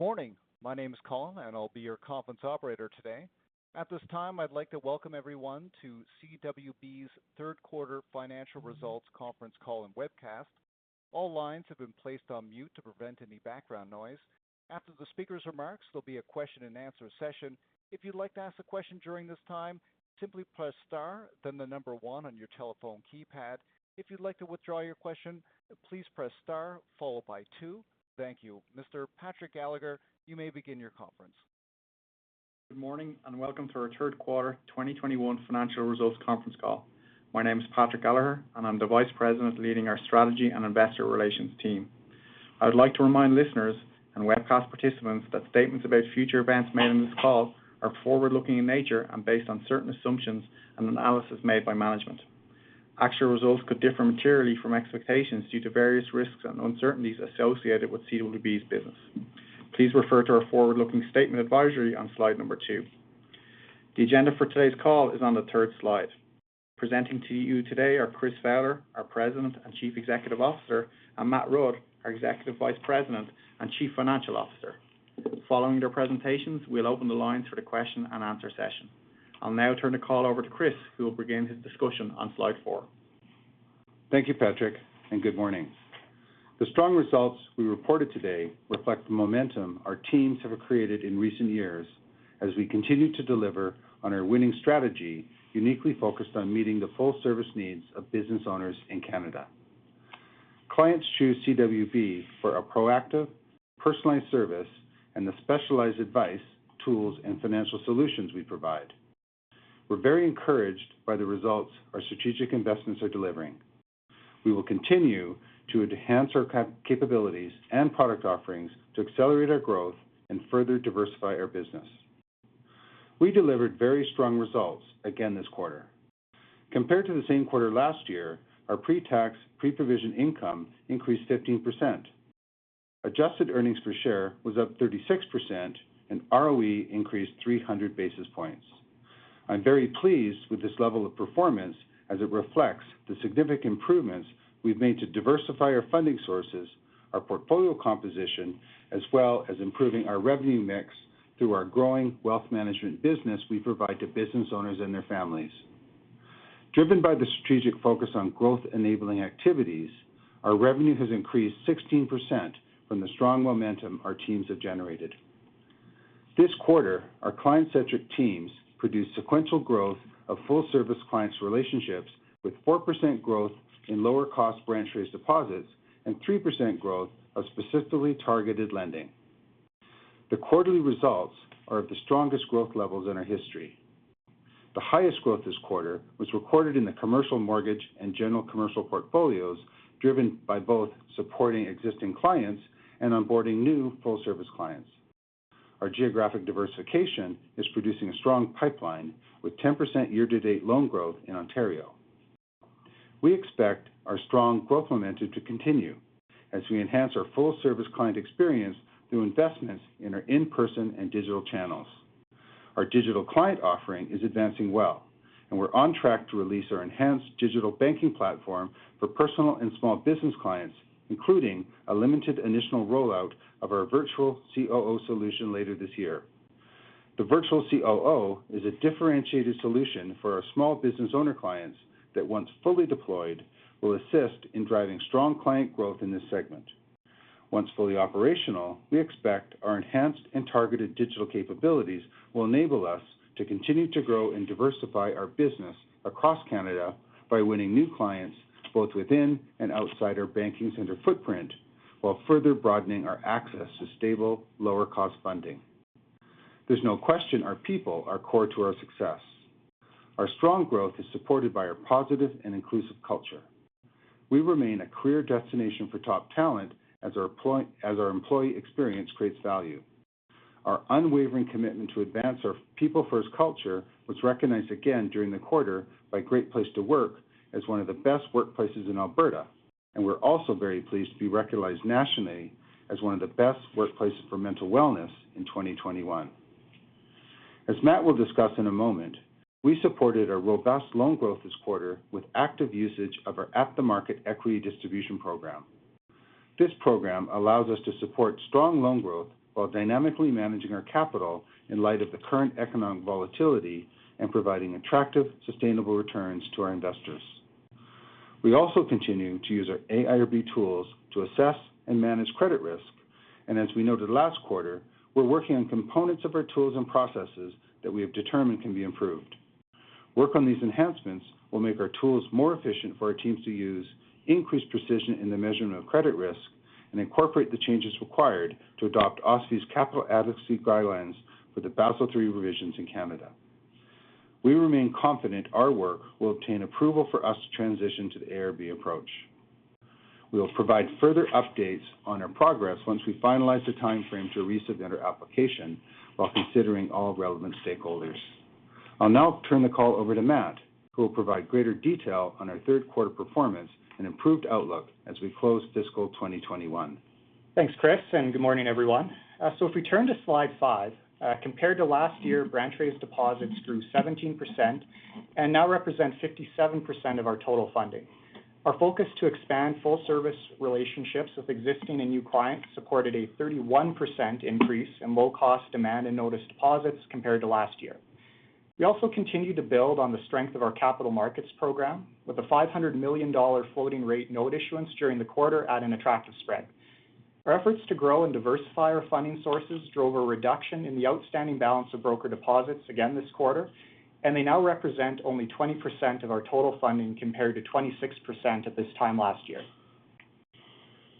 Morning. My name is Colin, and I'll be your conference operator today. At this time, I'd like to welcome everyone to CWB's Q3 financial results conference call and webcast. All lines have been placed on mute to prevent any background noise. After the speaker's remarks, there'll be a question-and-answer session. If you'd like to ask a question during this time, simply press star, then the number one on your telephone keypad. If you'd like to withdraw your question, please press star followed by two. Thank you. Mr. Patrick Gallagher, you may begin your conference. Good morning, and welcome to our Q3 2021 financial results conference call. My name is Patrick Gallagher, and I'm the Vice President leading our strategy and investor relations team. I would like to remind listeners and webcast participants that statements about future events made in this call are forward-looking in nature and based on certain assumptions and analysis made by management. Actual results could differ materially from expectations due to various risks and uncertainties associated with CWB's business. Please refer to our forward-looking statement advisory on slide number two. The agenda for today's call is on the 3rd slide. Presenting to you today are Chris Fowler, our President and Chief Executive Officer, and Matt Rudd, our Executive Vice President and Chief Financial Officer. Following their presentations, we'll open the lines for the question and answer session. I'll now turn the call over to Chris, who will begin his discussion on slide four. Thank you, Patrick, and good morning. The strong results we reported today reflect the momentum our teams have created in recent years as we continue to deliver on our winning strategy, uniquely focused on meeting the full service needs of business owners in Canada. Clients choose CWB for our proactive personalized service and the specialized advice, tools, and financial solutions we provide. We're very encouraged by the results our strategic investments are delivering. We will continue to enhance our capabilities and product offerings to accelerate our growth and further diversify our business. We delivered very strong results again this quarter. Compared to the same quarter last year, our pre-tax, pre-provision income increased 15%. Adjusted earnings per share was up 36%, and ROE increased 300 basis points. I'm very pleased with this level of performance as it reflects the significant improvements we've made to diversify our funding sources, our portfolio composition, as well as improving our revenue mix through our growing wealth management business we provide to business owners and their families. Driven by the strategic focus on growth-enabling activities, our revenue has increased 16% from the strong momentum our teams have generated. This quarter, our client-centric teams produced sequential growth of full service clients relationships with 4% growth in lower cost branch raise deposits and 3% growth of specifically targeted lending. The quarterly results are of the strongest growth levels in our history. The highest growth this quarter was recorded in the commercial mortgage and general commercial portfolios, driven by both supporting existing clients and onboarding new full-service clients. Our geographic diversification is producing a strong pipeline with 10% year-to-date loan growth in Ontario. We expect our strong growth momentum to continue as we enhance our full-service client experience through investments in our in-person and digital channels. Our digital client offering is advancing well, and we're on track to release our enhanced digital banking platform for personal and small business clients, including a limited initial rollout of our Virtual COO solution later this year. The Virtual COO is a differentiated solution for our small business owner clients that once fully deployed will assist in driving strong client growth in this segment. Once fully operational, we expect our enhanced and targeted digital capabilities will enable us to continue to grow and diversify our business across Canada by winning new clients both within and outside our banking center footprint, while further broadening our access to stable, lower-cost funding. There's no question our people are core to our success. Our strong growth is supported by our positive and inclusive culture. We remain a clear destination for top talent as our employee experience creates value. Our unwavering commitment to advance our people-first culture was recognized again during the quarter by Great Place to Work as one of the best workplaces in Alberta, and we're also very pleased to be recognized nationally as one of the best workplaces for mental wellness in 2021. As Matt will discuss in a moment, we supported our robust loan growth this quarter with active usage of our at-the-market equity distribution program. This program allows us to support strong loan growth while dynamically managing our capital in light of the current economic volatility and providing attractive, sustainable returns to our investors. We also continue to use our AIRB tools to assess and manage credit risk. As we noted last quarter, we're working on components of our tools and processes that we have determined can be improved. Work on these enhancements will make our tools more efficient for our teams to use, increase precision in the measurement of credit risk, and incorporate the changes required to adopt OSFI's capital adequacy guidelines for the Basel III revisions in Canada. We remain confident our work will obtain approval for us to transition to the AIRB approach. We will provide further updates on our progress once we finalize the timeframe to resubmit our application while considering all relevant stakeholders. I'll now turn the call over to Matt, who will provide greater detail on our Q3 performance and improved outlook as we close FY 2021. Thanks, Chris, and good morning, everyone. If we turn to slide five, compared to last year, branch raised deposits grew 17% and now represent 57% of our total funding. Our focus to expand full service relationships with existing and new clients supported a 31% increase in low-cost demand and notice deposits compared to last year. We also continue to build on the strength of our capital markets program with a 500 million dollar floating rate note issuance during the quarter at an attractive spread. Our efforts to grow and diversify our funding sources drove a reduction in the outstanding balance of broker deposits again this quarter, and they now represent only 20% of our total funding, compared to 26% at this time last year.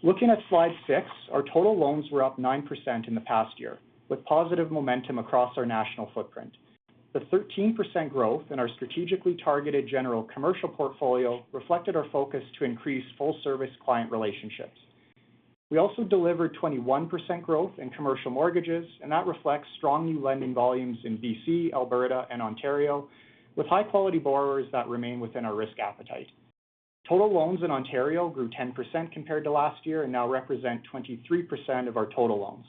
Looking at slide six, our total loans were up 9% in the past year, with positive momentum across our national footprint. The 13% growth in our strategically targeted general commercial portfolio reflected our focus to increase full service client relationships. We also delivered 21% growth in commercial mortgages, and that reflects strong new lending volumes in B.C., Alberta, and Ontario, with high-quality borrowers that remain within our risk appetite. Total loans in Ontario grew 10% compared to last year and now represent 23% of our total loans.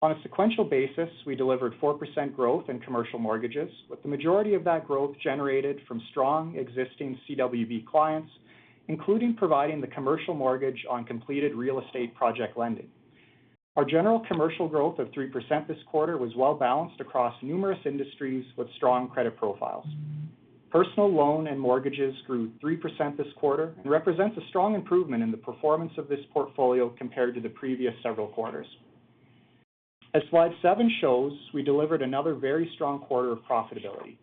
On a sequential basis, we delivered 4% growth in commercial mortgages, with the majority of that growth generated from strong existing CWB clients, including providing the commercial mortgage on completed real estate project lending. Our general commercial growth of 3% this quarter was well-balanced across numerous industries with strong credit profiles. Personal loan and mortgages grew 3% this quarter and represents a strong improvement in the performance of this portfolio compared to the previous several quarters. As slide seven shows, we delivered another very strong quarter of profitability.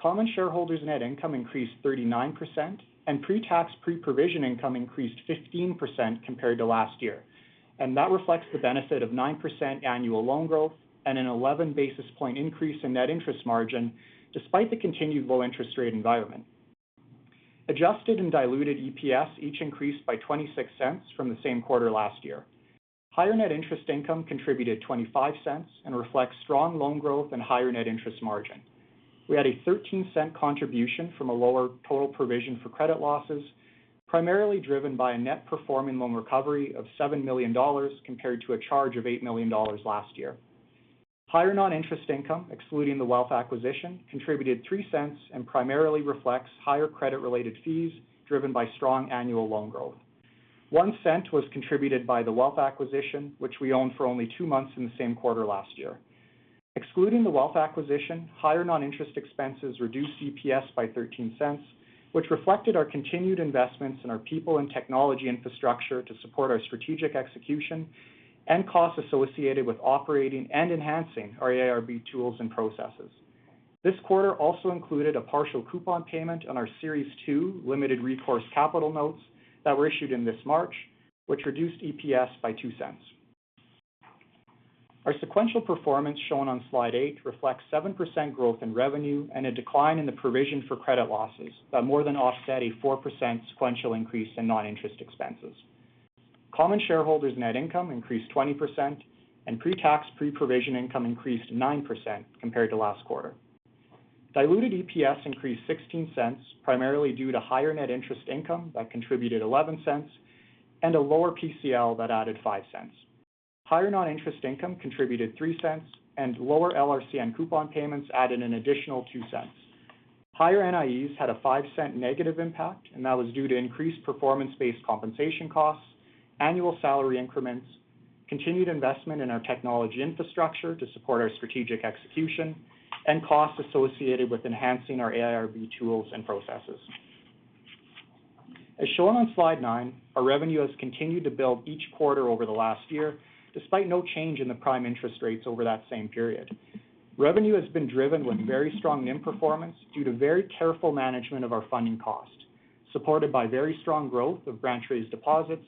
Common shareholders' net income increased 39%, pre-tax, pre-provision income increased 15% compared to last year, and that reflects the benefit of 9% annual loan growth and an 11 basis point increase in net interest margin, despite the continued low interest rate environment. Adjusted and diluted EPS each increased by 0.26 from the same quarter last year. Higher net interest income contributed 0.25 and reflects strong loan growth and higher net interest margin. We had a 0.13 contribution from a lower total provision for credit losses, primarily driven by a net performing loan recovery of 7 million dollars, compared to a charge of 8 million dollars last year. Higher non-interest income, excluding the wealth acquisition, contributed 0.03 and primarily reflects higher credit-related fees driven by strong annual loan growth. 0.01 was contributed by the wealth acquisition, which we owned for only two months in the same quarter last year. Excluding the wealth acquisition, higher non-interest expenses reduced EPS by 0.13, which reflected our continued investments in our people and technology infrastructure to support our strategic execution and costs associated with operating and enhancing our AIRB tools and processes. This quarter also included a partial coupon payment on our Series 2 Limited Recourse Capital Notes that were issued in this March, which reduced EPS by 0.02. Our sequential performance, shown on slide eight, reflects 7% growth in revenue and a decline in the provision for credit losses that more than offset a 4% sequential increase in non-interest expenses. Common shareholders' net income increased 20%, and pre-tax, pre-provision income increased 9% compared to last quarter. Diluted EPS increased 0.16, primarily due to higher net interest income that contributed 0.11 and a lower PCL that added 0.05. Higher non-interest income contributed 0.03, and lower LRCN coupon payments added an additional 0.02. Higher NIEs had a 0.05 negative impact, and that was due to increased performance-based compensation costs, annual salary increments, continued investment in our technology infrastructure to support our strategic execution, and costs associated with enhancing our AIRB tools and processes. As shown on slide nine, our revenue has continued to build each quarter over the last year, despite no change in the prime interest rates over that same period. Revenue has been driven with very strong NIM performance due to very careful management of our funding cost, supported by very strong growth of branch-raised deposits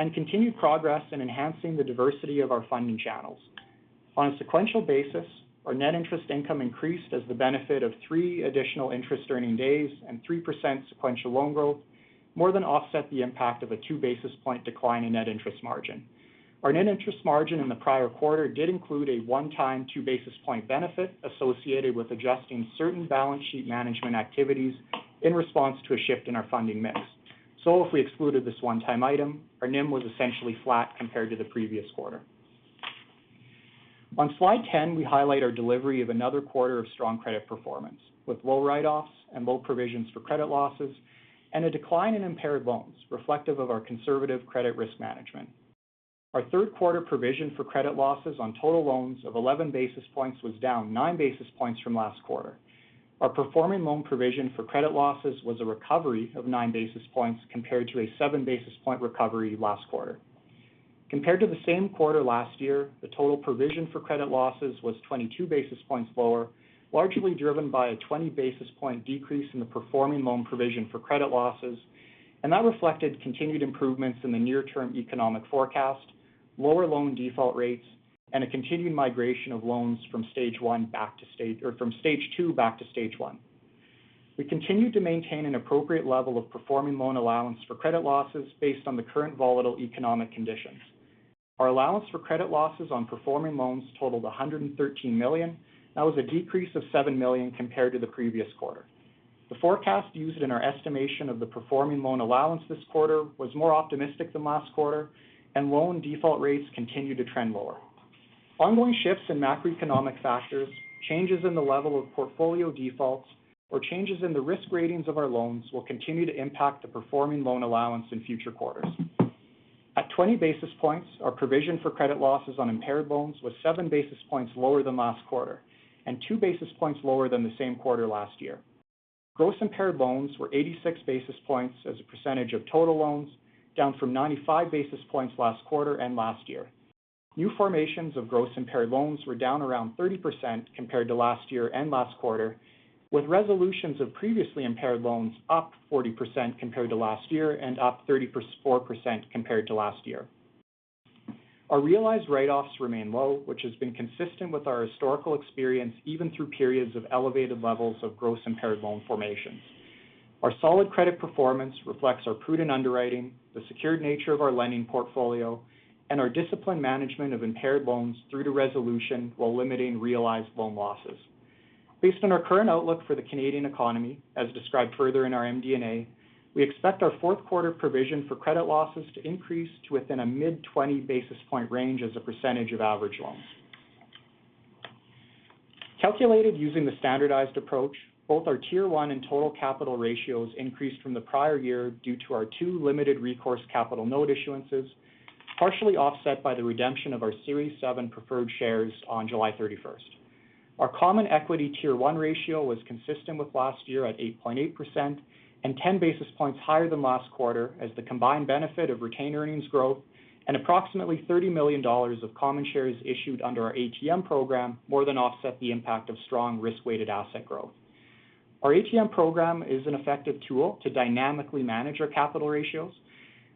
and continued progress in enhancing the diversity of our funding channels. On a sequential basis, our net interest income increased as the benefit of therr additional interest earning days and 3% sequential loan growth more than offset the impact of a 2-basis point decline in net interest margin. Our net interest margin in the prior quarter did include a one-time 2-basis point benefit associated with adjusting certain balance sheet management activities in response to a shift in our funding mix, so if we excluded this one-time item, our NIM was essentially flat compared to the previous quarter. On slide 10, we highlight our delivery of another quarter of strong credit performance, with low write-offs and low provisions for credit losses, and a decline in impaired loans reflective of our conservative credit risk management. Our Q3 provision for credit losses on total loans of 11 basis points was down 9 basis points from last quarter. Our performing loan provision for credit losses was a recovery of 9 basis points compared to a 7-basis point recovery last quarter. Compared to the same quarter last year, the total provision for credit losses was 22 basis points lower, largely driven by a 20-basis point decrease in the performing loan provision for credit losses, and that reflected continued improvements in the near-term economic forecast, lower loan default rates, and a continued migration of loans from stage two back to stage one. We continued to maintain an appropriate level of performing loan allowance for credit losses based on the current volatile economic conditions. Our allowance for credit losses on performing loans totaled 113 million. That was a decrease of 7 million compared to the previous quarter. The forecast used in our estimation of the performing loan allowance this quarter was more optimistic than last quarter, and loan default rates continue to trend lower. Ongoing shifts in macroeconomic factors, changes in the level of portfolio defaults, or changes in the risk ratings of our loans will continue to impact the performing loan allowance in future quarters. At 20 basis points, our provision for credit losses on impaired loans was 7 basis points lower than last quarter, and 2 basis points lower than the same quarter last year. Gross impaired loans were 86 basis points as a percentage of total loans, down from 95 basis points last quarter and last year. New formations of gross impaired loans were down around 30% compared to last year and last quarter, with resolutions of previously impaired loans up 40% compared to last year and up 34% compared to last year. Our realized write-offs remain low, which has been consistent with our historical experience, even through periods of elevated levels of gross impaired loan formations. Our solid credit performance reflects our prudent underwriting, the secured nature of our lending portfolio, and our disciplined management of impaired loans through to resolution while limiting realized loan losses. Based on our current outlook for the Canadian economy, as described further in our MD&A, we expect our Q4 provision for credit losses to increase to within a mid 20 basis point range as a percentage of average loans. Calculated using the standardized approach, both our Tier 1 and total capital ratios increased from the prior year due to our two Limited Recourse Capital Note issuances, partially offset by the redemption of our Series 7 Preferred Shares on July 31st. Our common equity Tier 1 ratio was consistent with last year at 8.8%, and 10 basis points higher than last quarter as the combined benefit of retained earnings growth and approximately 30 million dollars of common shares issued under our ATM program more than offset the impact of strong risk-weighted asset growth. Our ATM program is an effective tool to dynamically manage our capital ratios.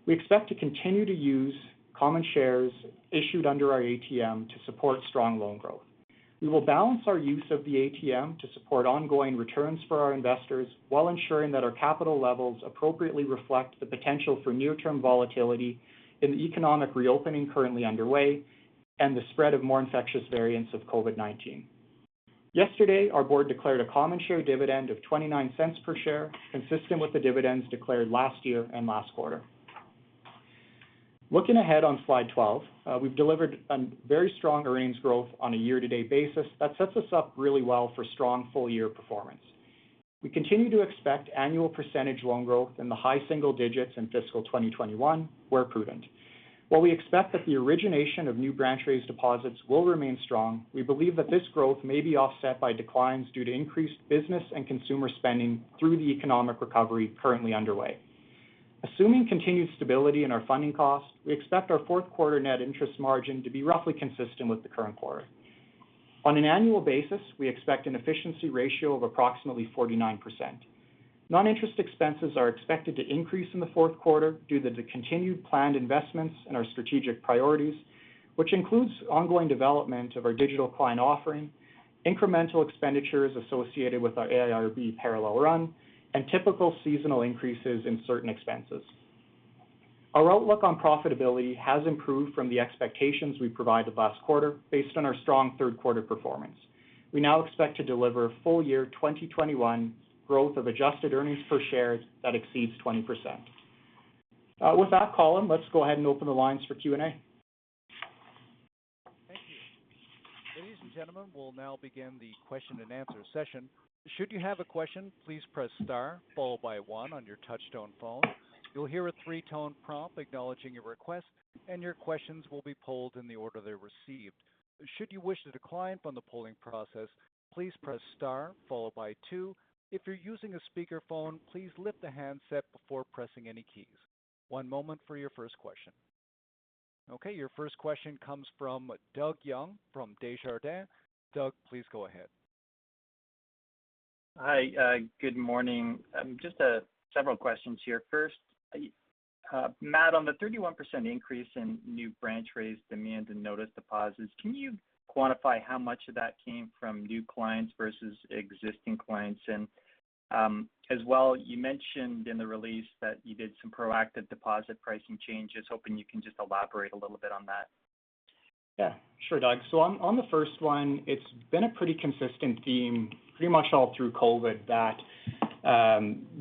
We expect to continue to use common shares issued under our ATM to support strong loan growth. We will balance our use of the ATM to support ongoing returns for our investors while ensuring that our capital levels appropriately reflect the potential for near-term volatility in the economic reopening currently underway and the spread of more infectious variants of COVID-19. Yesterday, our board declared a common share dividend of 0.29 per share, consistent with the dividends declared last year and last quarter. Looking ahead on slide 12, we've delivered a very strong earnings growth on a year-to-date basis that sets us up really well for strong full-year performance. We continue to expect annual percentage loan growth in the high single digits in fiscal 2021, where prudent. While we expect that the origination of new branch-raised deposits will remain strong, we believe that this growth may be offset by declines due to increased business and consumer spending through the economic recovery currently underway. Assuming continued stability in our funding costs, we expect our Q4 net interest margin to be roughly consistent with the current quarter. On an annual basis, we expect an efficiency ratio of approximately 49%. Non-interest expenses are expected to increase in the Q4 due to the continued planned investments in our strategic priorities, which includes ongoing development of our digital client offering, incremental expenditures associated with our AIRB parallel run, and typical seasonal increases in certain expenses. Our outlook on profitability has improved from the expectations we provided last quarter based on our strong Q3 performance. We now expect to deliver full year 2021 growth of adjusted EPS that exceeds 20%. With that, Colin, let's go ahead and open the lines for Q&A. Thank you. Ladies and gentlemen, we'll now begin the question and answer session. Should you have a question, please press star 1 on your touchtone phone. You'll hear a three-tone prompt acknowledging your request, and your questions will be polled in the order they're received. Should you wish to decline from the polling process, please press star followed by two. If you're using a speakerphone, please lift the handset before pressing any keys. One moment for your first question. Okay, your first question comes from Doug Young from Desjardins. Doug, please go ahead. Hi. Good morning. Just several questions here. First, Matt, on the 31% increase in new branch raised demand and notice deposits, can you quantify how much of that came from new clients versus existing clients? As well, you mentioned in the release that you did some proactive deposit pricing changes. Hoping you can just elaborate a little bit on that. Yeah. Sure, Doug. On the first one, it's been a pretty consistent theme pretty much all through COVID-19 that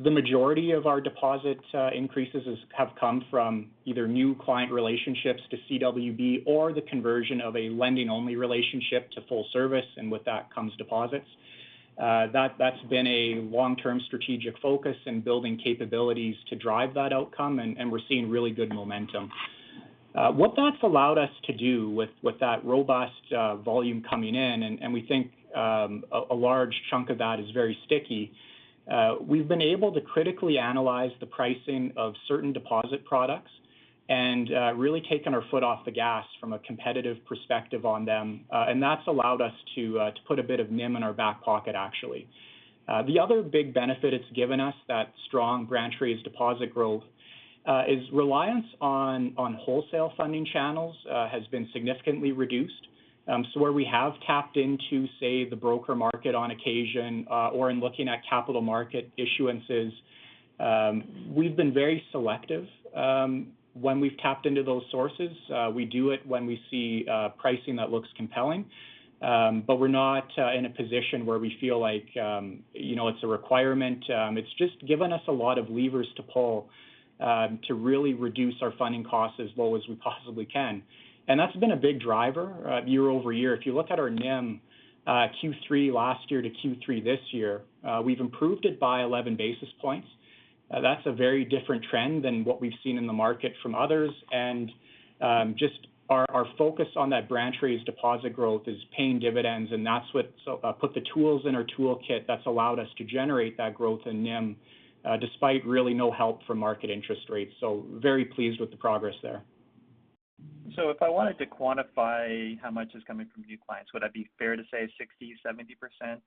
the majority of our deposit increases have come from either new client relationships to CWB or the conversion of a lending-only relationship to full service, and with that comes deposits. That's been a long-term strategic focus in building capabilities to drive that outcome, and we're seeing really good momentum. What that's allowed us to do with that robust volume coming in, and we think a large chunk of that is very sticky, we've been able to critically analyze the pricing of certain deposit products and really taken our foot off the gas from a competitive perspective on them. That's allowed us to put a bit of NIM in our back pocket, actually. The other big benefit it's given us, that strong branch raised deposit growth, is reliance on wholesale funding channels has been significantly reduced. So where we have tapped into, say, the broker market on occasion, or in looking at capital market issuances, we've been very selective. When we've tapped into those sources, we do it when we see pricing that looks compelling, but we're not in a position where we feel like it's a requirement. It's just given us a lot of levers to pull to really reduce our funding costs as low as we possibly can. That's been a big driver year-over-year. If you look at our NIM Q3 last year to Q3 this year, we've improved it by 11 basis points. That's a very different trend than what we've seen in the market from others. Just our focus on that branch raise deposit growth is paying dividends, and that's what put the tools in our toolkit that's allowed us to generate that growth in NIM, despite really no help from market interest rates, so very pleased with the progress there. If I wanted to quantify how much is coming from new clients, would that be fair to say 60%-70%?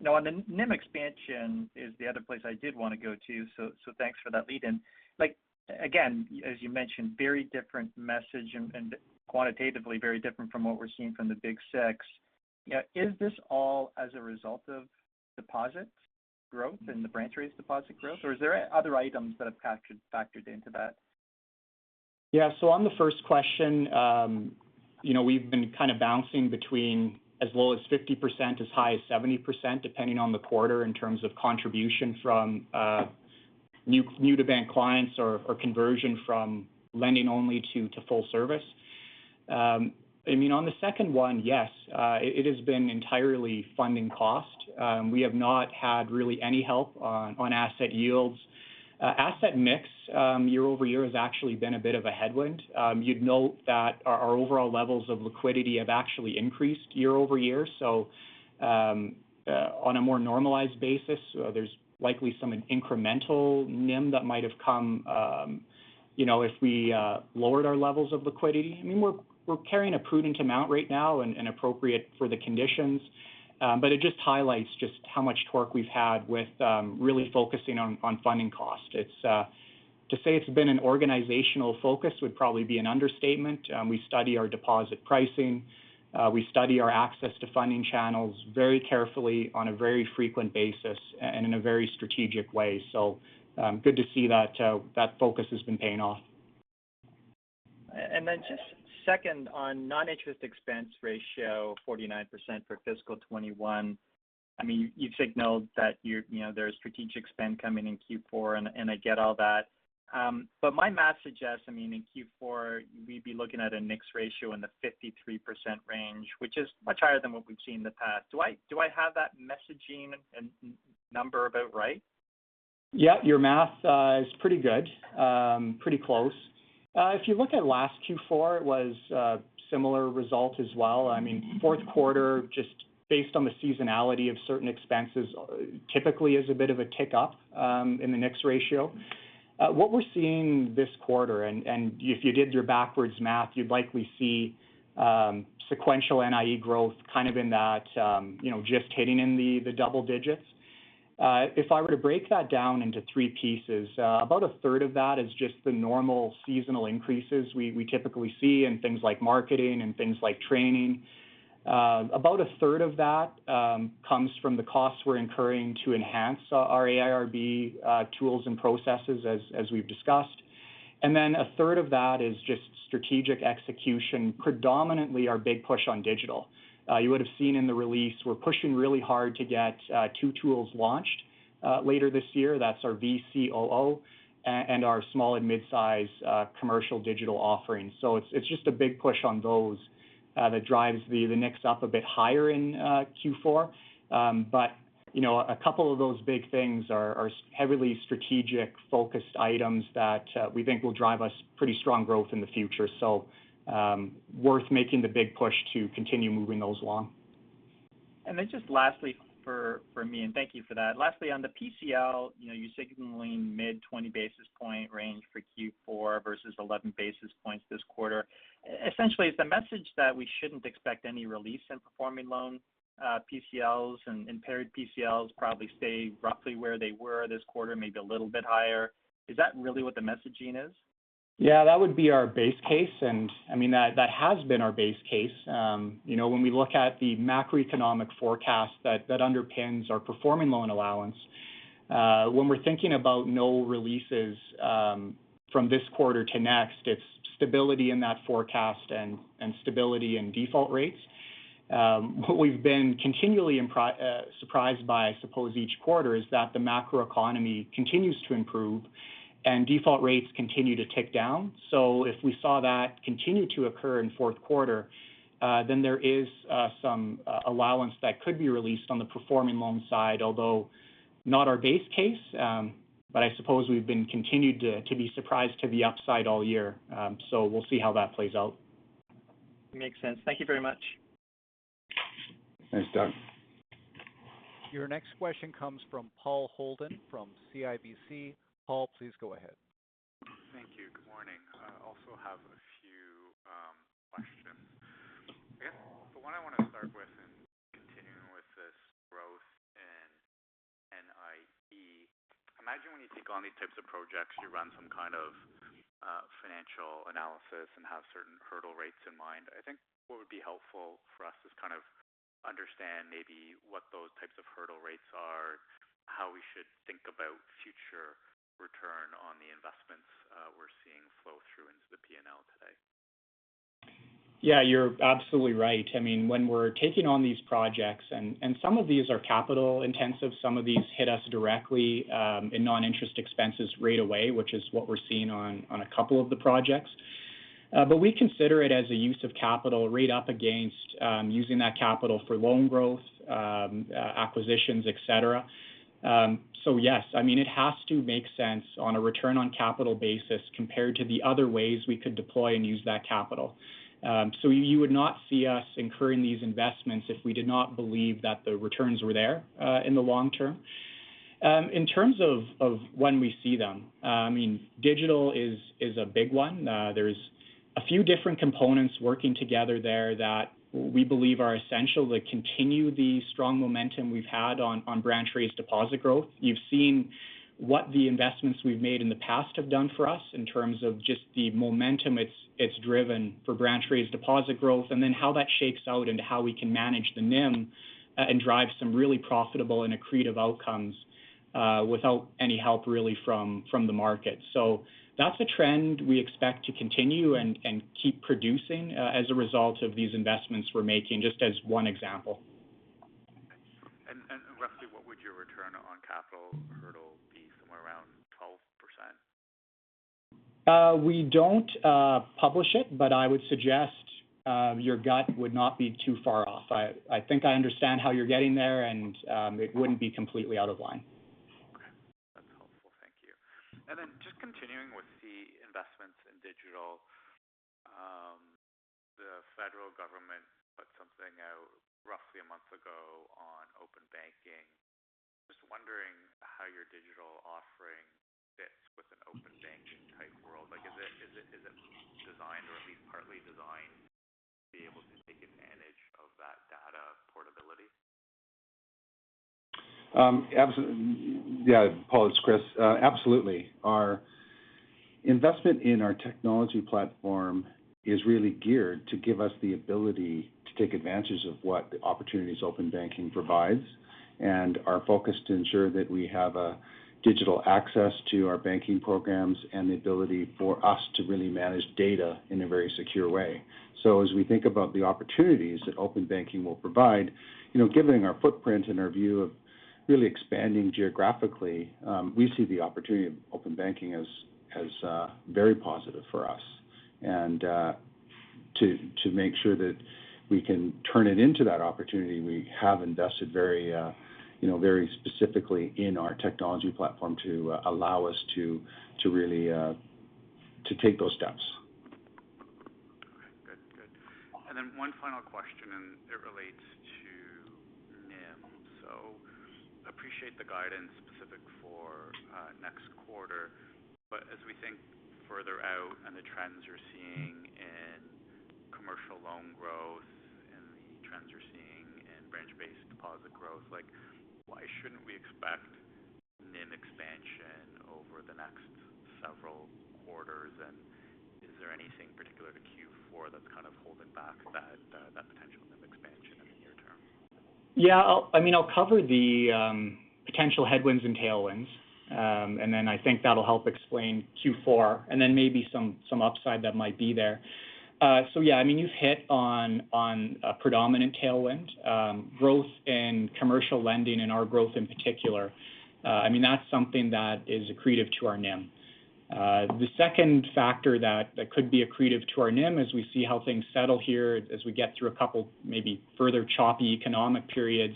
Now on the NIM expansion is the other place I did want to go to, so thanks for that lead in. Again, as you mentioned, very different message and quantitatively very different from what we're seeing from the big six. Is this all as a result of deposits growth and the branch raise deposit growth, or is there other items that have factored into that? Yeah, so on the first question, we've been kind of bouncing between as low as 50%, as high as 70%, depending on the quarter, in terms of contribution from new-to-bank clients or conversion from lending only to full service. On the second one, yes. It has been entirely funding cost. We have not had really any help on asset yields. Asset mix year-over-year has actually been a bit of a headwind. You'd note that our overall levels of liquidity have actually increased year-over-year, so on a more normalized basis, there's likely some incremental NIM that might have come if we lowered our levels of liquidity. We're carrying a prudent amount right now and appropriate for the conditions, but it just highlights just how much torque we've had with really focusing on funding cost. To say it's been an organizational focus would probably be an understatement. We study our deposit pricing. We study our access to funding channels very carefully on a very frequent basis and in a very strategic way, so good to see that focus has been paying off. Just second on non-interest expense ratio, 49% for fiscal 2021. You've signaled that there's strategic spend coming in Q4, and I get all that. My math suggests, in Q4, we'd be looking at a NIX ratio in the 53% range, which is much higher than what we've seen in the past. Do I have that messaging and number about right? Your math is pretty good. Pretty close. If you look at last Q4, it was a similar result as well. Q4, just based on the seasonality of certain expenses, typically is a bit of a tick up in the next ratio. What we're seeing this quarter, and if you did your backwards math, you'd likely see sequential NIE growth kind of in that just hitting in the double digits. If I were to break that down into three pieces, about a third of that is just the normal seasonal increases we typically see in things like marketing and things like training. About a third of that comes from the costs we're incurring to enhance our AIRB tools and processes, as we've discussed, and then a third of that is just strategic execution, predominantly our big push on digital. You would have seen in the release, we're pushing really hard to get two tools launched later this year. That's our VCOO and our small and mid-size commercial digital offerings, so it's just a big push on those that drives the NIX up a bit higher in Q4, but a couple of those big things are heavily strategic-focused items that we think will drive us pretty strong growth in the future, so worth making the big push to continue moving those along. Just lastly from me, and thank you for that. Lastly, on the PCL, you're signaling mid 20 basis point range for Q4 versus 11 basis points this quarter. Essentially, is the message that we shouldn't expect any release in performing loan PCLs, and impaired PCLs probably stay roughly where they were this quarter, maybe a little bit higher. Is that really what the messaging is? Yeah, that would be our base case, and that has been our base case. When we look at the macroeconomic forecast that underpins our performing loan allowance, when we're thinking about no releases from this quarter to next, it's stability in that forecast and stability in default rates. What we've been continually surprised by, I suppose, each quarter is that the macroeconomy continues to improve and default rates continue to tick down, so if we saw that continue to occur in Q4, then there is some allowance that could be released on the performing loan side, although not our base case, but I suppose we've been continued to be surprised to the upside all year. We'll see how that plays out. Makes sense. Thank you very much. Thanks, Doug. Your next question comes from Paul Holden from CIBC. Paul, please go ahead. Thank you. Good morning. I also have a few questions. I guess the one I want to start with in continuing with this growth in NIE, I imagine when you take on these types of projects, you run some kind of financial analysis and have certain hurdle rates in mind. I think what would be helpful for us is kind of understand maybe what those types of hurdle rates are, how we should think about future return on the investments we're seeing flow through into the P&L today. Yeah, you're absolutely right. When we're taking on these projects, and some of these are capital intensive, some of these hit us directly in non-interest expenses right away, which is what we're seeing on a couple of the projects, but we consider it as a use of capital rate up against using that capital for loan growth, acquisitions, et cetera. Yes, it has to make sense on a return on capital basis compared to the other ways we could deploy and use that capital. You would not see us incurring these investments if we did not believe that the returns were there in the long term. In terms of when we see them, digital is a big one. There's a few different components working together there that we believe are essential to continue the strong momentum we've had on branch-raised deposit growth. You've seen what the investments we've made in the past have done for us in terms of just the momentum it's driven for branch-raised deposit growth, and then how that shakes out into how we can manage the NIM and drive some really profitable and accretive outcomes without any help really from the market, so that's a trend we expect to continue and keep producing as a result of these investments we're making, just as one example. Roughly what would your return on capital hurdle be? Somewhere around 12%? We don't publish it, but I would suggest your gut would not be too far off. I think I understand how you're getting there, and it wouldn't be completely out of line. Okay. That's helpful. Thank you. Then just continuing with the investments in digital, the federal government put something out roughly one month ago on open banking. Just wondering how your digital offering fits with an open banking type world. Is it designed or at least partly designed to be able to take advantage of that data portability? Yeah. Paul, it's Chris. Absolutely. Our investment in our technology platform is really geared to give us the ability to take advantage of what opportunities open banking provides, and are focused to ensure that we have digital access to our banking programs and the ability for us to really manage data in a very secure way. As we think about the opportunities that open banking will provide, given our footprint and our view of really expanding geographically, we see the opportunity of open banking as very positive for us, and to make sure that we can turn it into that opportunity, we have invested very specifically in our technology platform to allow us to really take those steps. Okay. Good. One final question, and it relates to NIM. Appreciate the guidance specific for next quarter, but as we think further out and the trends you're seeing in commercial loan growth and the trends you're seeing in branch-based deposit growth, why shouldn't we expect NIM expansion over the next several quarters, and is there anything particular to Q4 that's kind of holding back that potential NIM expansion in the near term? Yeah. I'll cover the potential headwinds and tailwinds, and then I think that'll help explain Q4 and then maybe some upside that might be there. Yeah, you've hit on a predominant tailwind. Growth in commercial lending and our growth in particular, that's something that is accretive to our NIM. The second factor that could be accretive to our NIM as we see how things settle here as we get through a couple maybe further choppy economic periods,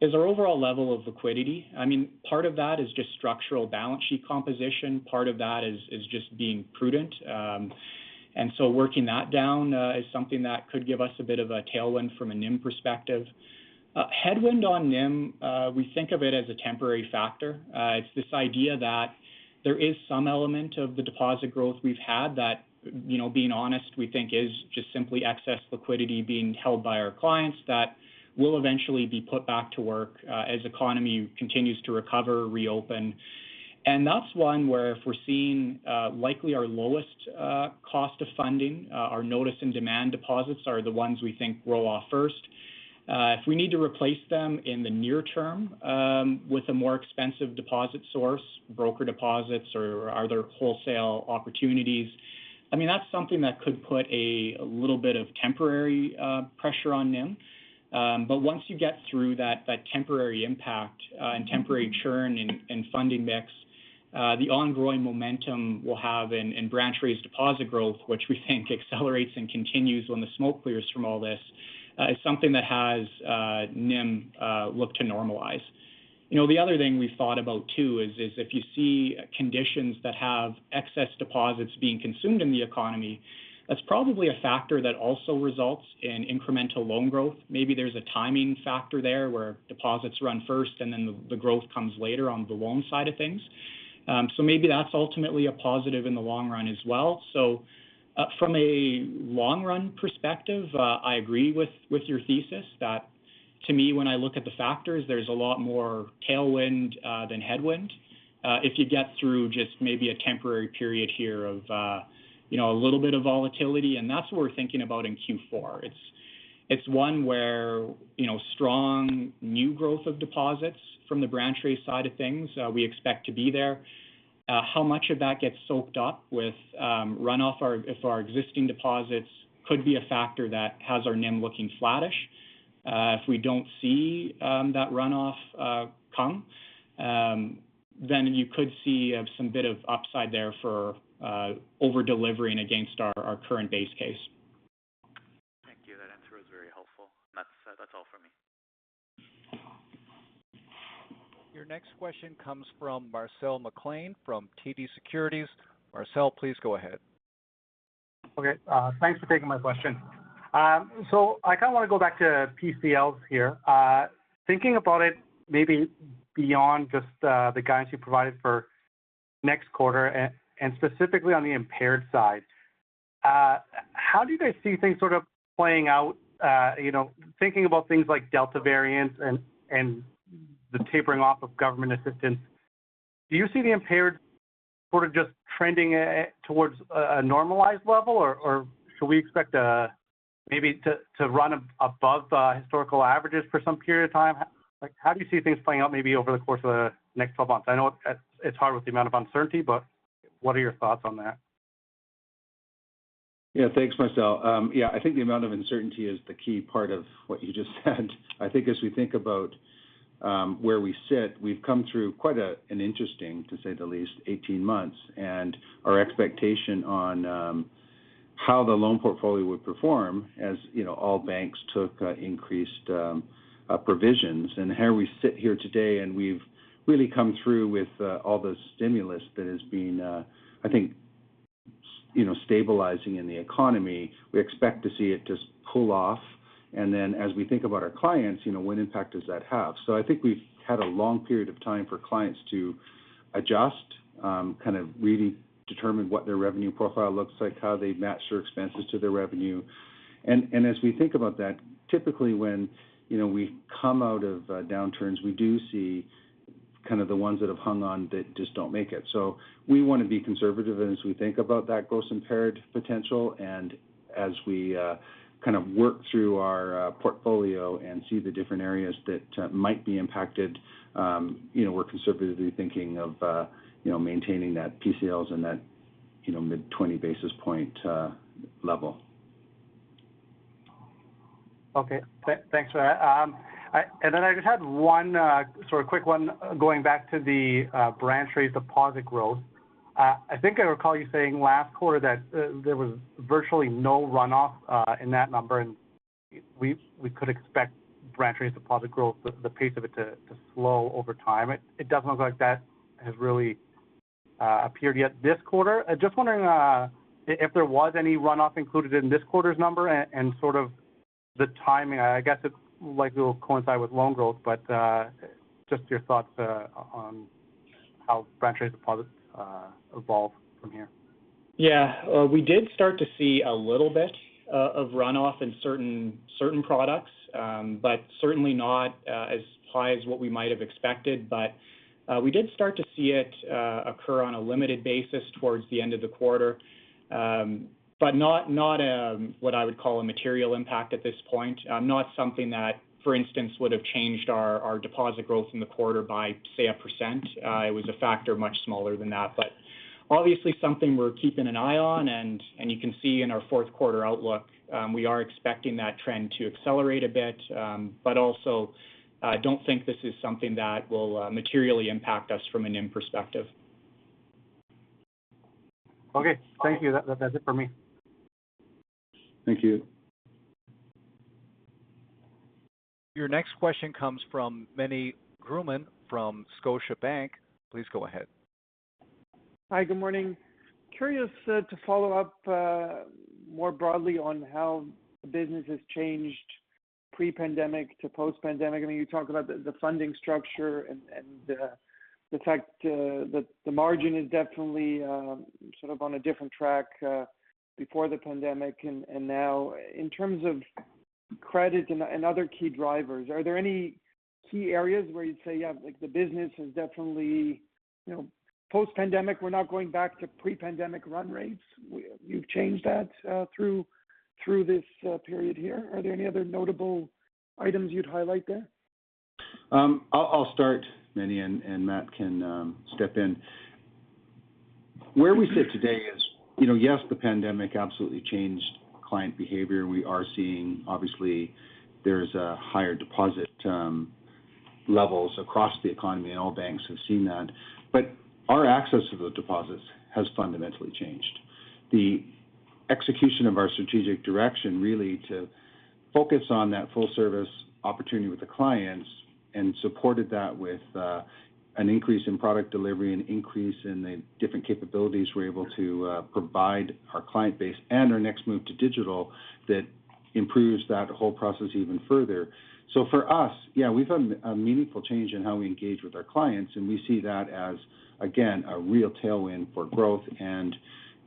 is our overall level of liquidity. Part of that is just structural balance sheet composition. Part of that is just being prudent, and so working that down is something that could give us a bit of a tailwind from a NIM perspective. Headwind on NIM, we think of it as a temporary factor. It's this idea that there is some element of the deposit growth we've had that, being honest, we think is just simply excess liquidity being held by our clients that will eventually be put back to work as the economy continues to recover, reopen, and that's one where if we're seeing likely our lowest cost of funding, our notice and demand deposits are the ones we think roll off first. If we need to replace them in the near term with a more expensive deposit source, broker deposits or other wholesale opportunities, that's something that could put a little bit of temporary pressure on NIM, but once you get through that temporary impact and temporary churn in funding mix, the ongoing momentum we'll have in branch raised deposit growth, which we think accelerates and continues when the smoke clears from all this, is something that has NIM look to normalize. The other thing we've thought about too is if you see conditions that have excess deposits being consumed in the economy, that's probably a factor that also results in incremental loan growth. Maybe there's a timing factor there where deposits run first and then the growth comes later on the loan side of things. Maybe that's ultimately a positive in the long run as well. From a long run perspective, I agree with your thesis that to me, when I look at the factors, there's a lot more tailwind than headwind. If you get through just maybe a temporary period here of a little bit of volatility, and that's what we're thinking about in Q4. It's one where strong new growth of deposits from the branch raise side of things, so we expect to be there. How much of that gets soaked up with runoff if our existing deposits could be a factor that has our NIM looking flattish? If we don't see that runoff come, then you could see some bit of upside there for over-delivering against our current base case. Thank you. That answer was very helpful. That's all for me. Your next question comes from Marcel McLean from TD Securities. Marcel, please go ahead. Okay. Thanks for taking my question. I kind of want to go back to PCLs here. Thinking about it maybe beyond just the guidance you provided for next quarter, and specifically on the impaired side, how do you guys see things sort of playing out, thinking about things like Delta variants and the tapering off of government assistance? Do you see the impaired sort of just trending towards a normalized level, or should we expect maybe to run above historical averages for some period of time? How do you see things playing out, maybe over the course of the next 12 months? I know it's hard with the amount of uncertainty, but what are your thoughts on that? Thanks, Marcel. I think the amount of uncertainty is the key part of what you just said. I think as we think about where we sit, we've come through quite an interesting, to say the least, 18 months, and our expectation on how the loan portfolio would perform, as all banks took increased provisions, and here we sit here today, and we've really come through with all the stimulus that is being, I think, stabilizing in the economy. We expect to see it just pull off, and then as we think about our clients, what impact does that have? So I think we've had a long period of time for clients to adjust, kind of really determine what their revenue profile looks like, how they've matched their expenses to their revenue. As we think about that, typically when we come out of downturns, we do see kind of the ones that have hung on that just don't make it, so we want to be conservative as we think about that gross impaired potential, and as we kind of work through our portfolio and see the different areas that might be impacted, we're conservatively thinking of maintaining that PCLs in that mid 20 basis point level. Okay. Thanks for that. I just had one sort of quick one going back to the branch-raised deposit growth. I think I recall you saying last quarter that there was virtually no runoff in that number, and we could expect branch-raised deposit growth, the pace of it to slow over time. It doesn't look like that has really appeared yet this quarter. Just wondering if there was any runoff included in this quarter's number, and sort of the timing? I guess it likely will coincide with loan growth, but just your thoughts on how branch-raised deposit evolve from here? Yeah. We did start to see a little bit of runoff in certain products, but certainly not as high as what we might have expected. We did start to see it occur on a limited basis towards the end of the quarter, but not what I would call a material impact at this point. Not something that, for instance, would have changed our deposit growth in the quarter by, say, 1%. It was a factor much smaller than that, but obviously something we're keeping an eye on, you can see in our Q4 outlook, we are expecting that trend to accelerate a bit, but also, I don't think this is something that will materially impact us from a NIM perspective. Okay. Thank you. That's it for me. Thank you. Your next question comes from Meny Grauman from Scotiabank. Please go ahead. Hi, good morning. Curious to follow up more broadly on how the business has changed pre-pandemic to post-pandemic. I know you talked about the funding structure and the fact that the margin is definitely sort of on a different track before the pandemic. Now in terms of credit and other key drivers, are there any key areas where you'd say, "Yeah, the business is definitely post-pandemic, we're not going back to pre-pandemic run rates." You've changed that through this period here. Are there any other notable items you'd highlight there? I'll start, Manny, and Matt can step in. Where we sit today is, yes, the pandemic absolutely changed client behavior, and we are seeing, obviously, there's higher deposit levels across the economy, and all banks have seen that, but our access to those deposits has fundamentally changed. The execution of our strategic direction really to focus on that full service opportunity with the clients and supported that with an increase in product delivery, an increase in the different capabilities we're able to provide our client base, and our next move to digital that improves that whole process even further. So for us, yeah, we've had a meaningful change in how we engage with our clients, and we see that as, again, a real tailwind for growth, and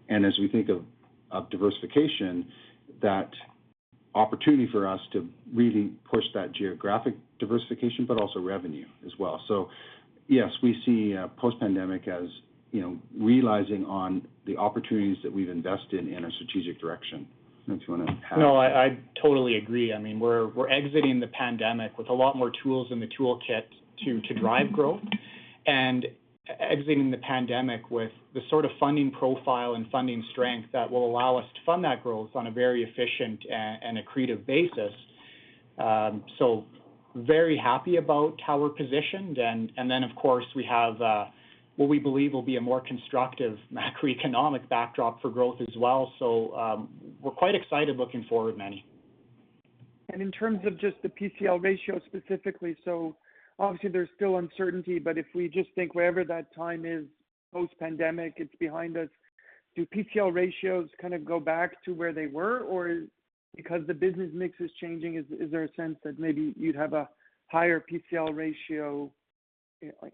as we think of diversification, that opportunity for us to really push that geographic diversification, but also revenue as well. Yes, we see post-pandemic as realizing on the opportunities that we've invested in our strategic direction. Unless you want to add. No, I totally agree. We're exiting the pandemic with a lot more tools in the toolkit to drive growth, and exiting the pandemic with the sort of funding profile and funding strength that will allow us to fund that growth on a very efficient and accretive basis, so very happy about how we're positioned, and then of course, we have what we believe will be a more constructive macroeconomic backdrop for growth as well, so we're quite excited looking forward, Meny. In terms of just the PCL ratio specifically, so obviously there's still uncertainty, but if we just think wherever that time is post-pandemic, it's behind us, do PCL ratios kind of go back to where they were? Because the business mix is changing, is there a sense that maybe you'd have a higher PCL ratio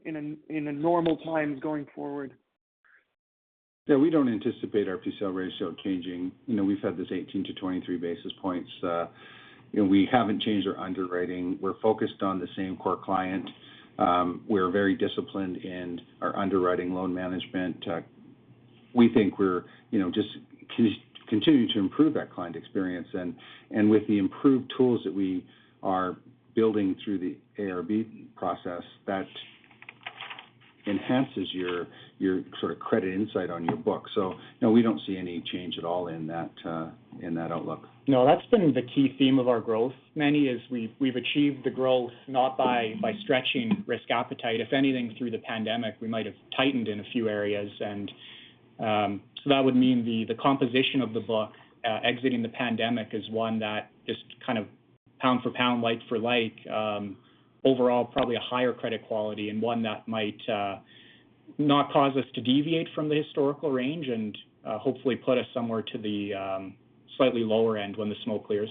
in a normal time going forward? Yeah. We don't anticipate our PCL ratio changing. We've had this 18-23 basis points. We haven't changed our underwriting. We're focused on the same core client. We're very disciplined in our underwriting loan management. We think we're just continuing to improve that client experience, and with the improved tools that we are building through the AIRB process, that enhances your sort of credit insight on your book, so no, we don't see any change at all in that outlook. No, that's been the key theme of our growth, Meny, is we've achieved the growth not by stretching risk appetite. If anything, through the pandemic, we might have tightened in a few areas, so that would mean the composition of the book exiting the pandemic is one that just kind of pound for pound, like for like, overall probably a higher credit quality and one that might not cause us to deviate from the historical range and hopefully put us somewhere to the slightly lower end when the smoke clears.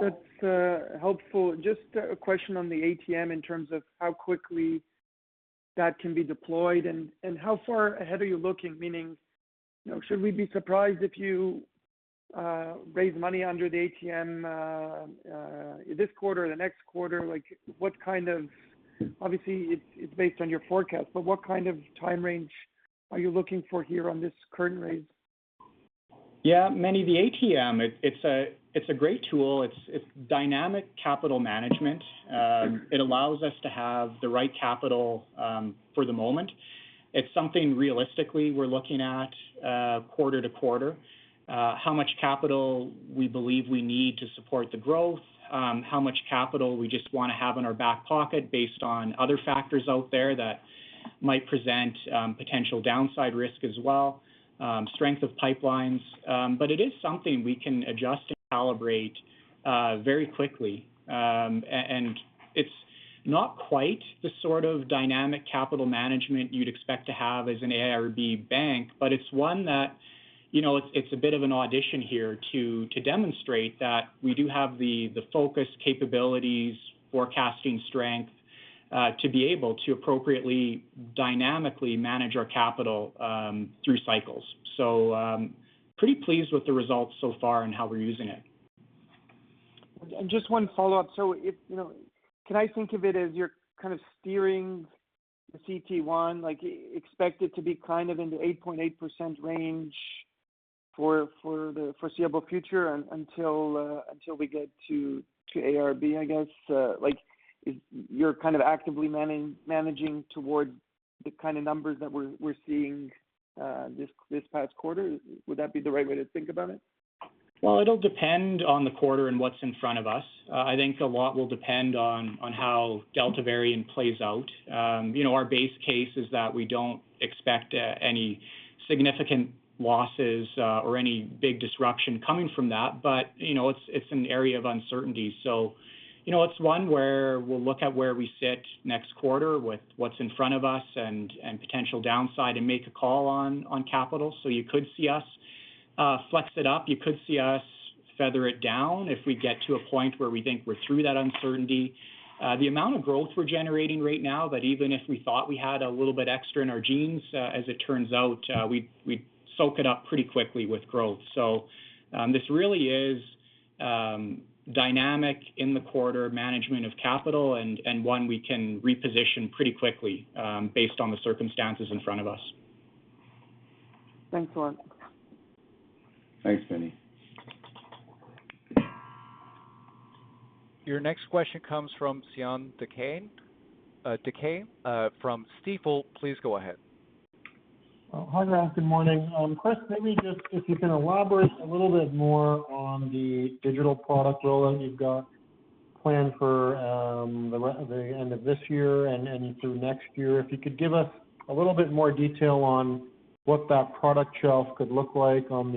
That's helpful. Just a question on the ATM in terms of how quickly that can be deployed, and how far ahead are you looking? Meaning, should we be surprised if you raise money under the ATM this quarter or the next quarter? Obviously, it's based on your forecast, but what kind of time range are you looking for here on this current raise? Yeah. Meny, the ATM, it's a great tool. It's dynamic capital management. It allows us to have the right capital for the moment. It's something realistically we're looking at quarter to quarter, how much capital we believe we need to support the growth, how much capital we just want to have in our back pocket based on other factors out there that might present potential downside risk as well, strength of pipelines, but it is something we can adjust and calibrate very quickly. It's not quite the sort of dynamic capital management you'd expect to have as an AIRB bank, but it's one that it's a bit of an audition here to demonstrate that we do have the focus, capabilities, forecasting strength to be able to appropriately dynamically manage our capital through cycles, so pretty pleased with the results so far and how we're using it. Just one follow-up. Can I think of it as you're kind of steering the CET1, like expect it to be kind of in the 8.8% range for the foreseeable future until we get to AIRB, I guess? Like, you're kind of actively managing toward the kind of numbers that we're seeing this past quarter? Would that be the right way to think about it? It'll depend on the quarter and what's in front of us. I think a lot will depend on how Delta variant plays out. Our base case is that we don't expect any significant losses or any big disruption coming from that, but it's an area of uncertainty. You know, it's one where we'll look at where we sit next quarter with what's in front of us and potential downside, and make a call on capital, so you could see us flex it up, you could see us feather it down if we get to a point where we think we're through that uncertainty. The amount of growth we're generating right now, that even if we thought we had a little bit extra in our genes, so as it turns out, we soak it up pretty quickly with growth. This really is dynamic in the quarter management of capital, and one we can reposition pretty quickly based on the circumstances in front of us. Thanks a lot. Thanks, Meny. Your next question comes from Cihan Tuncay from Stifel. Please go ahead. Hi guys, good morning. Chris, maybe just if you can elaborate a little bit more on the digital product rollout you've got planned for the end of this year and through next year. If you could give us a little bit more detail on what that product shelf could look like on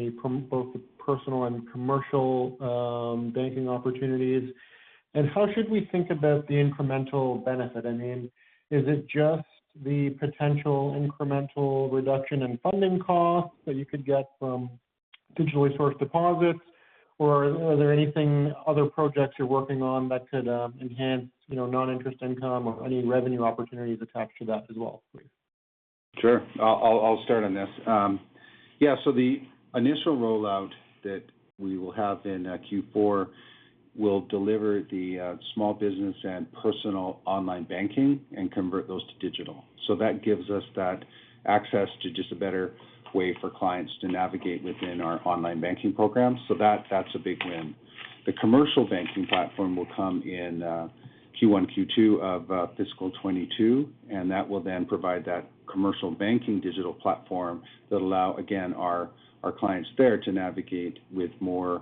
both the personal and commercial banking opportunities, and how should we think about the incremental benefit? Is it just the potential incremental reduction in funding costs that you could get from digitally sourced deposits, or are there other projects you're working on that could enhance non-interest income or any revenue opportunities attached to that as well, please? Sure. I'll start on this. The initial rollout that we will have in Q4 will deliver the small business and personal online banking and convert those to digital. So that gives us that access to just a better way for clients to navigate within our online banking program, so that's a big win. The commercial banking platform will come in Q1, Q2 of fiscal 2022, and that will then provide that commercial banking digital platform that allow, again, our clients there to navigate with more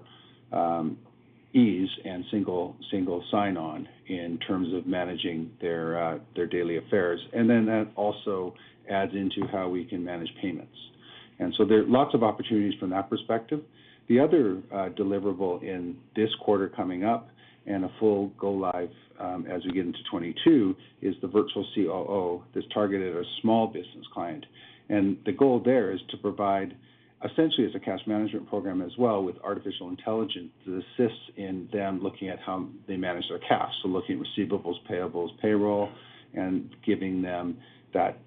ease and single sign-on in terms of managing their daily affairs, and then that also adds into how we can manage payments, and so there are lots of opportunities from that perspective. The other deliverable in this quarter coming up, and a full go live as we get into 2022, is the Virtual COO that's targeted at a small business client. The goal there is to provide essentially as a cash management program as well with artificial intelligence to assist in them looking at how they manage their cash, so looking at receivables, payables, payroll, and giving them that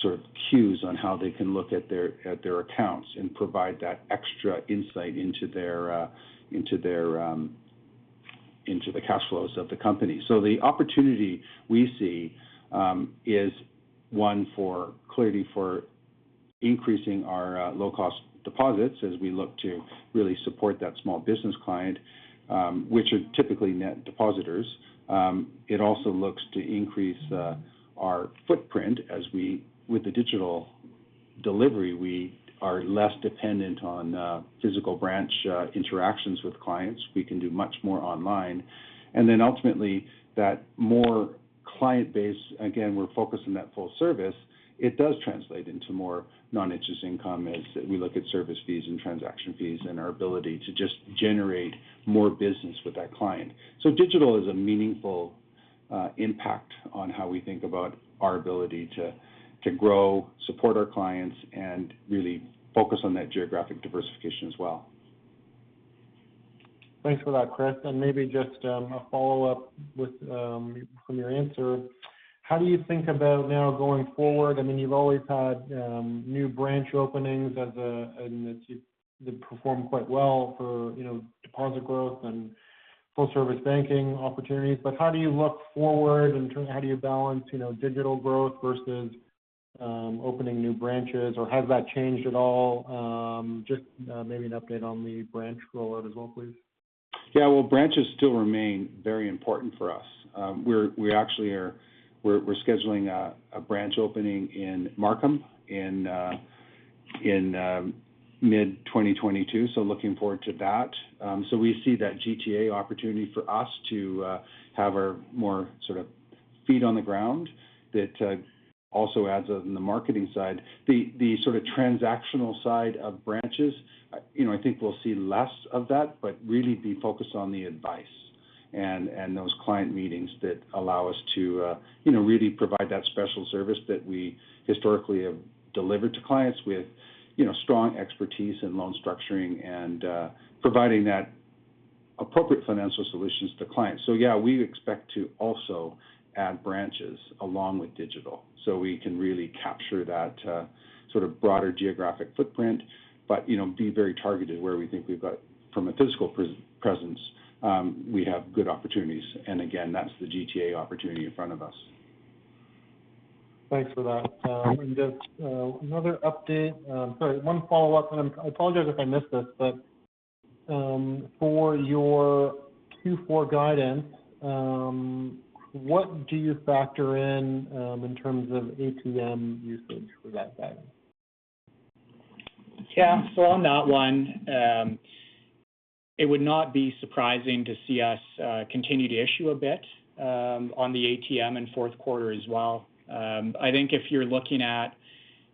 sort of cues on how they can look at their accounts and provide that extra insight into the cash flows of the company. So the opportunity we see is one for clearly for increasing our low-cost deposits as we look to really support that small business client, which are typically net depositors. It also looks to increase our footprint as with the digital delivery, we are less dependent on physical branch interactions with clients. We can do much more online. Then ultimately that more client-base, again, we're focused on that full service, it does translate into more non-interest income as we look at service fees and transaction fees and our ability to just generate more business with that client, so digital is a meaningful impact on how we think about our ability to grow, support our clients, and really focus on that geographic diversification as well. Thanks for that, Chris. Maybe just a follow-up from your answer. How do you think about now going forward? I mean you've always had new branch openings as you perform quite well for deposit growth and full service banking opportunities, but how do you look forward in terms how do you balance digital growth versus opening new branches, or has that changed at all? Just maybe an update on the branch rollout as well, please. Yeah. Well, branches still remain very important for us. We're scheduling a branch opening in Markham in mid-2022, so looking forward to that. We see that GTA opportunity for us to have our more sort of feet on the ground that also adds in the marketing side. The sort of transactional side of branches, I think we'll see less of that, but really be focused on the advice and those client meetings that allow us to really provide that special service that we historically have delivered to clients with strong expertise in loan structuring and providing that appropriate financial solutions to clients. So yeah, we expect to also add branches along with digital so we can really capture that sort of broader geographic footprint, but be very targeted where we think we've got from a physical presence we have good opportunities, and again, that's the GTA opportunity in front of us. Thanks for that. Just another update. Sorry, one follow-up, and I apologize if I missed this, but for your Q4 guidance, what do you factor in in terms of ATM usage for that guidance? Yeah. On that one, it would not be surprising to see us continue to issue a bit on the ATM in Q4 as well. I think if you're looking at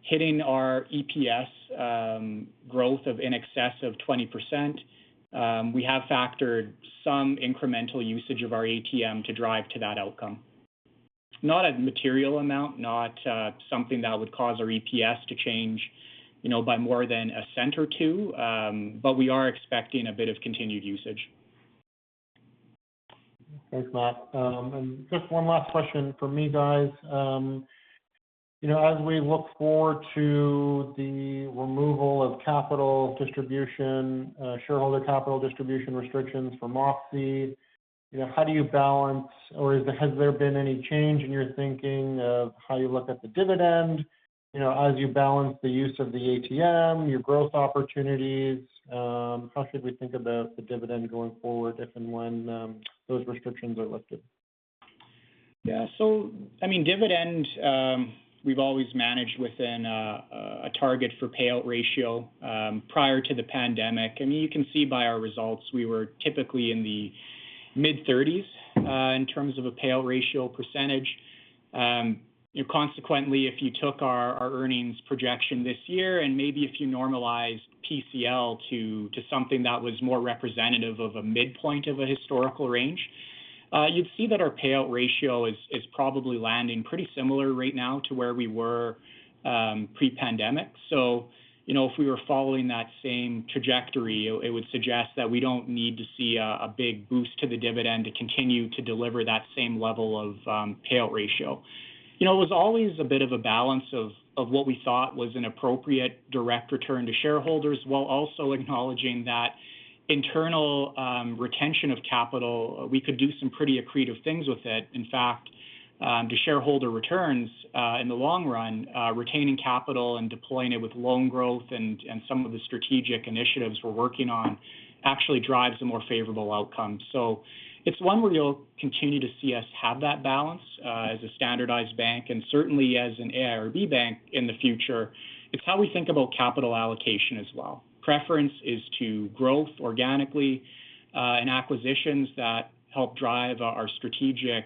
hitting our EPS growth of in excess of 20%, we have factored some incremental usage of our ATM to drive to that outcome. Not a material amount, not something that would cause our EPS to change by more than CAD 0.01 or 0.02, but we are expecting a bit of continued usage. Thanks, Matt. Then just one last question from me, guys. As we look forward to the removal of shareholder capital distribution restrictions for OSFI, how do you balance or has there been any change in your thinking of how you look at the dividend as you balance the use of the ATM, your growth opportunities? How should we think about the dividend going forward if and when those restrictions are lifted? Dividend we've always managed within a target for payout ratio prior to the pandemic, and you can see by our results we were typically in the mid-30s in terms of a payout ratio percentage. Consequently, if you took our earnings projection this year and maybe if you normalized PCL to something that was more representative of a midpoint of a historical range. You'd see that our payout ratio is probably landing pretty similar right now to where we were pre-pandemic. If we were following that same trajectory, it would suggest that we don't need to see a big boost to the dividend to continue to deliver that same level of payout ratio. It was always a bit of a balance of what we thought was an appropriate direct return to shareholders, while also acknowledging that internal retention of capital, we could do some pretty accretive things with it. In fact, to shareholder returns, in the long run, retaining capital and deploying it with loan growth and some of the strategic initiatives we're working on actually drives a more favorable outcome. So it's one where you'll continue to see us have that balance as a standardized bank and certainly as an AIRB bank in the future. It's how we think about capital allocation as well. Preference is to growth organically, and acquisitions that help drive our strategic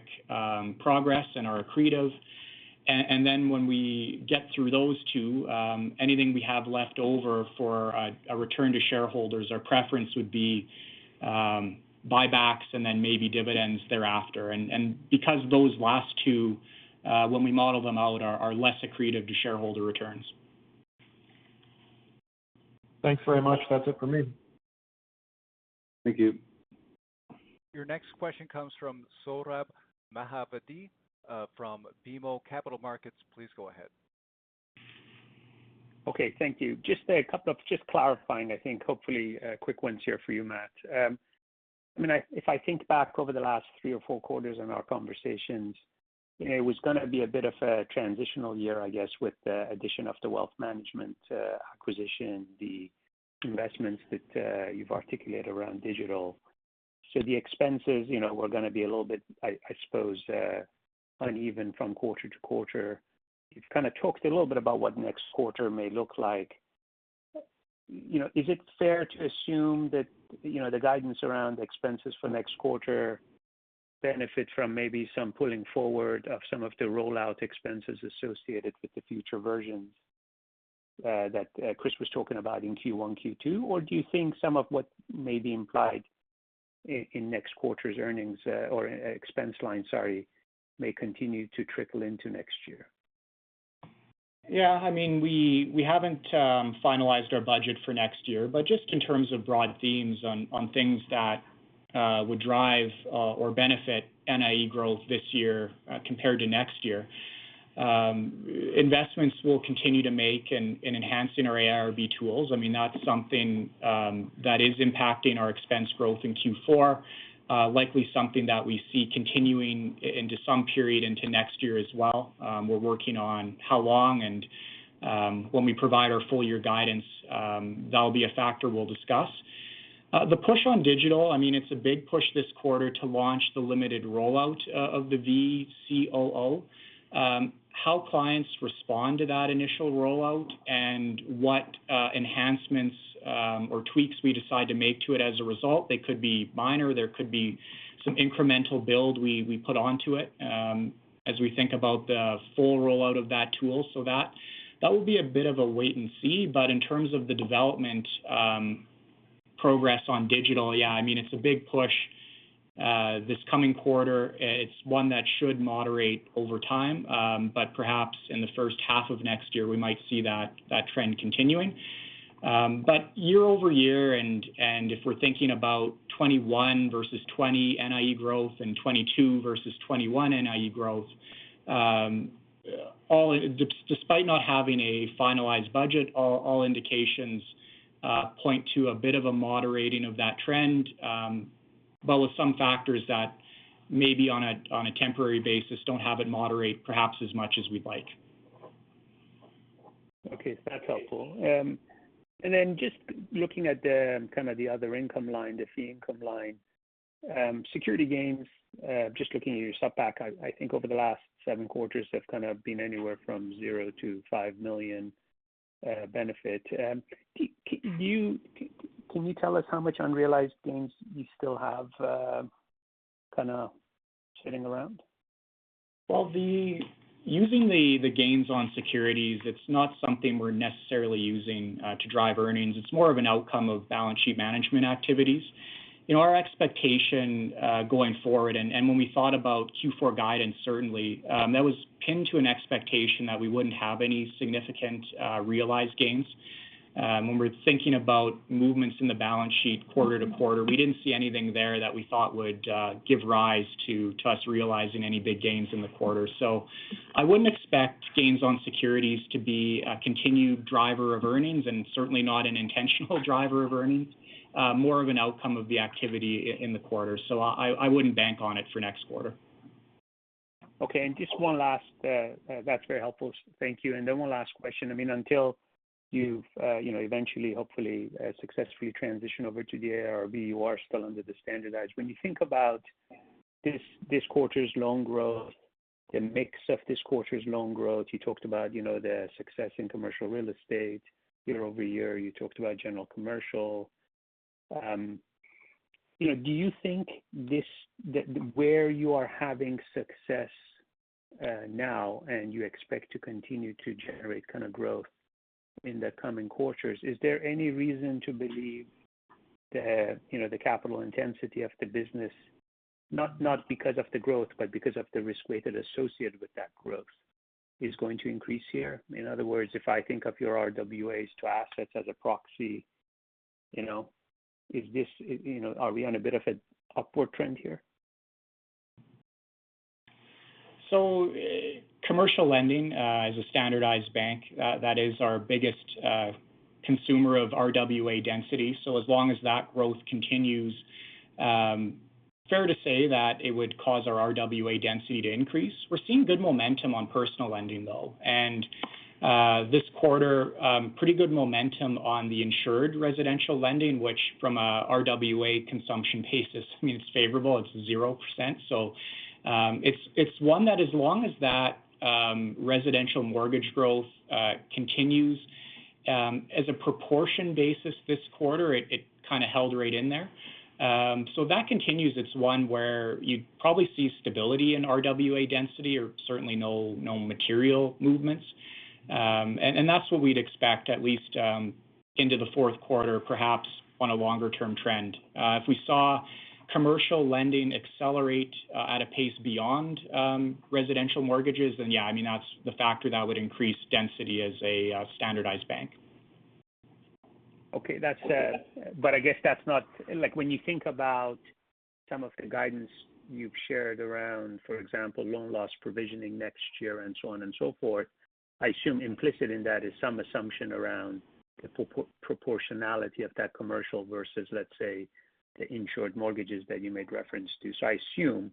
progress and are accretive, and then when we get through those two, anything we have left over for a return to shareholders, our preference would be buybacks and then maybe dividends thereafter because those last two, when we model them out, are less accretive to shareholder returns. Thanks very much. That's it from me. Thank you. Your next question comes from Sohrab Movahedi from BMO Capital Markets. Please go ahead. Okay, thank you. Just a couple of just clarifying, I think hopefully quick ones here for you, Matt. If I think back over the last three or four quarters in our conversations, it was going to be a bit of a transitional year, I guess, with the addition of the wealth management acquisition, the investments that you've articulated around digital. The expenses were going to be a little bit, I suppose, uneven from quarter to quarter. You've kind of talked a little bit about what next quarter may look like. Is it fair to assume that the guidance around expenses for next quarter benefit from maybe some pulling forward of some of the rollout expenses associated with the future versions that Chris was talking about in Q1, Q2, or do you think some of what may be implied in next quarter's earnings or expense line, sorry, may continue to trickle into next year? We haven't finalized our budget for next year, but just in terms of broad themes on things that would drive or benefit NIE growth this year compared to next year. Investments we'll continue to make in enhancing our AIRB tools. That's something that is impacting our expense growth in Q4, likely something that we see continuing into some period into next year as well. We're working on how long, and when we provide our full-year guidance, that'll be a factor we'll discuss. The push on digital, it's a big push this quarter to launch the limited rollout of the VCOO. How clients respond to that initial rollout and what enhancements or tweaks we decide to make to it as a result. They could be minor, there could be some incremental build we put onto it as we think about the full rollout of that tool. That will be a bit of a wait and see. In terms of the development progress on digital, yeah, it's a big push this coming quarter. It's one that should moderate over time, but perhaps in the H1 of next year, we might see that trend continuing. But year-over-year, and if we're thinking about 2021 versus 2020 NIE growth and 2022 versus 2021 NIE growth, despite not having a finalized budget, all indications point to a bit of a moderating of that trend, but with some factors that may be on a temporary basis, don't have it moderate perhaps as much as we'd like. Okay. That's helpful. Just looking at the other income line, the fee income line. Security gains, just looking at your SOPAC, I think over the last seven quarters have kind of been anywhere from 0-5 million benefit. Can you tell us how much unrealized gains you still have kind of sitting around? Using the gains on securities, it's not something we're necessarily using to drive earnings. It's more of an outcome of balance sheet management activities. Our expectation going forward, and when we thought about Q4 guidance, certainly, that was pinned to an expectation that we wouldn't have any significant realized gains. When we're thinking about movements in the balance sheet quarter to quarter, we didn't see anything there that we thought would give rise to us realizing any big gains in the quarter so I wouldn't expect gains on securities to be a continued driver of earnings, and certainly not an intentional driver of earnings. More of an outcome of the activity in the quarter so I wouldn't bank on it for next quarter. Okay. That's very helpful. Thank you. One last question. Until you've eventually, hopefully, successfully transitioned over to the AIRB, you are still under the standardized. When you think about this quarter's loan growth, the mix of this quarter's loan growth, you talked about the success in commercial real estate year-over-year. You talked about general commercial. Do you think where you are having success now, and you expect to continue to generate growth in the coming quarters, is there any reason to believe the capital intensity of the business, not because of the growth, but because of the risk-weighted associated with that growth, is going to increase here? In other words, if I think of your RWAs to assets as a proxy, are we on a bit of an upward trend here? Commercial lending, as a standardized bank, that is our biggest consumer of RWA density, so as long as that growth continues, fair to say that it would cause our RWA density to increase. We're seeing good momentum on personal lending, though, and this quarter, pretty good momentum on the insured residential lending, which from a RWA consumption pace is favorable. It's 0%, so it's one that as long as that residential mortgage growth continues, as a proportion basis this quarter, it kind of held right in there, so that continues. It's one where you'd probably see stability in RWA density or certainly no material movements, and that's what we'd expect, at least into the Q4, perhaps on a longer-term trend. If we saw commercial lending accelerate at a pace beyond residential mortgages, then yeah, that's the factor that would increase density as a standardized bank. Okay. When you think about some of the guidance you've shared around, for example, loan loss provisioning next year and so on and so forth, I assume implicit in that is some assumption around the proportionality of that commercial versus, let's say, the insured mortgages that you made reference to, so I assume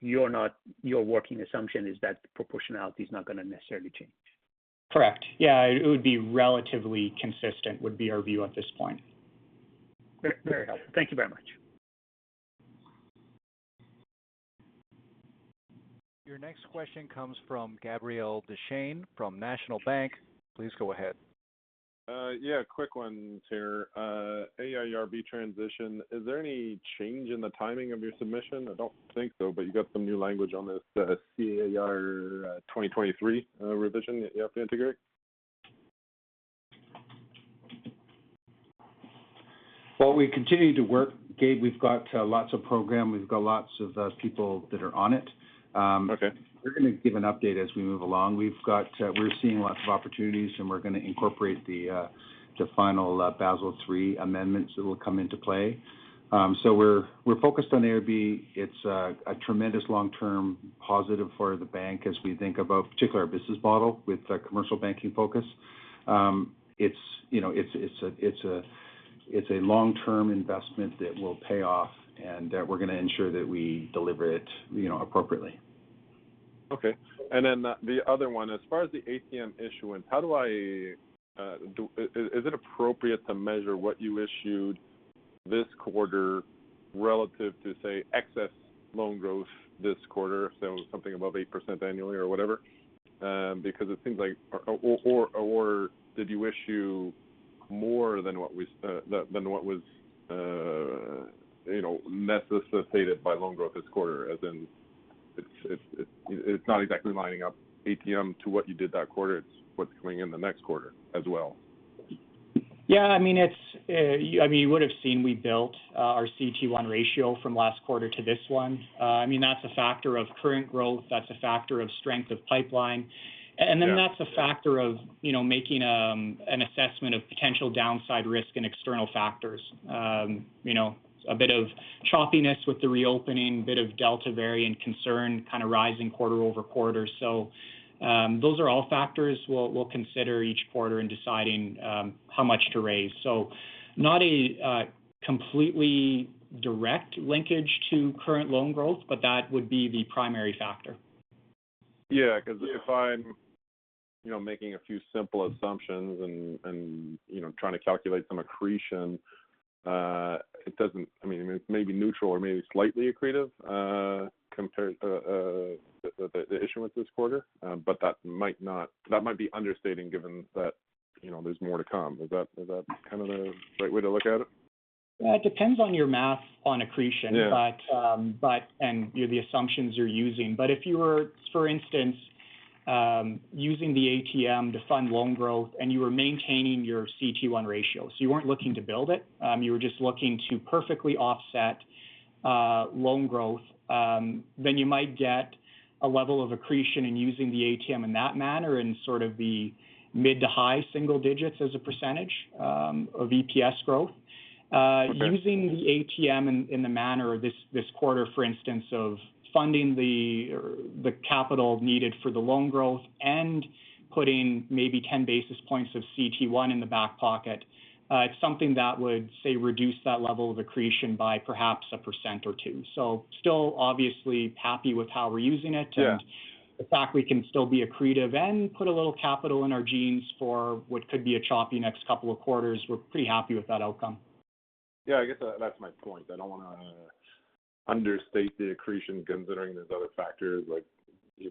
your working assumption is that proportionality is not going to necessarily change. Correct. Yeah, it would be relatively consistent would be our view at this point. Very helpful. Thank you very much. Your next question comes from Gabriel Dechaine from National Bank. Please go ahead. Yeah, a quick one here. AIRB transition, is there any change in the timing of your submission? I don't think so, but you got some new language on this CAR 2023 revision that you have to integrate. Well, we continue to work, Gabriel. We've got lots of program. We've got lots of people that are on it. We're going to give an update as we move along. We're seeing lots of opportunities, and we're going to incorporate the final Basel III amendments that will come into play. We're focused on AIRB. It's a tremendous long-term positive for the bank as we think about particularly our business model with a commercial banking focus. It's a long-term investment that will pay off, and we're going to ensure that we deliver it appropriately. Okay. The other one, as far as the ATM issuance, is it appropriate to measure what you issued this quarter relative to, say, excess loan growth this quarter, if that was something above 8% annually or whatever? Did you issue more than what was necessitated by loan growth this quarter, as in it's not exactly lining up ATM to what you did that quarter, it's what's coming in the next quarter as well? Yeah. You would've seen we built our CET1 ratio from last quarter to this one. That's a factor of current growth, that's a factor of strength of pipeline, and that's a factor of making an assessment of potential downside risk and external factors. A bit of choppiness with the reopening, a bit of Delta variant concern kind of rising quarter-over-quarter, so those are all factors we'll consider each quarter in deciding how much to raise. Not a completely direct linkage to current loan growth, but that would be the primary factor. Yeah. If I'm making a few simple assumptions and trying to calculate some accretion, it may be neutral or maybe slightly accretive compared to the issuance this quarter, but that might be understating given that there's more to come. Is that kind of the right way to look at it? It depends on your math on accretion. The assumptions you're using, but if you were, for instance, using the ATM to fund loan growth and you were maintaining your CET1 ratio, you weren't looking to build it, you were just looking to perfectly offset loan growth, then you might get a level of accretion in using the ATM in that manner in sort of the mid to high single digits as a percentage of EPS growth. Using the ATM in the manner this quarter, for instance, of funding the capital needed for the loan growth and putting maybe 10 basis points of CET1 in the back pocket, it's something that would, say, reduce that level of accretion by perhaps a a percent or two, so still obviously happy with how we're using it. Yeah. The fact we can still be accretive and put a little capital in our jeans for what could be a choppy next two quarters, we're pretty happy with that outcome. Yeah, I guess that's my point. I don't want to understate the accretion considering there's other factors, like you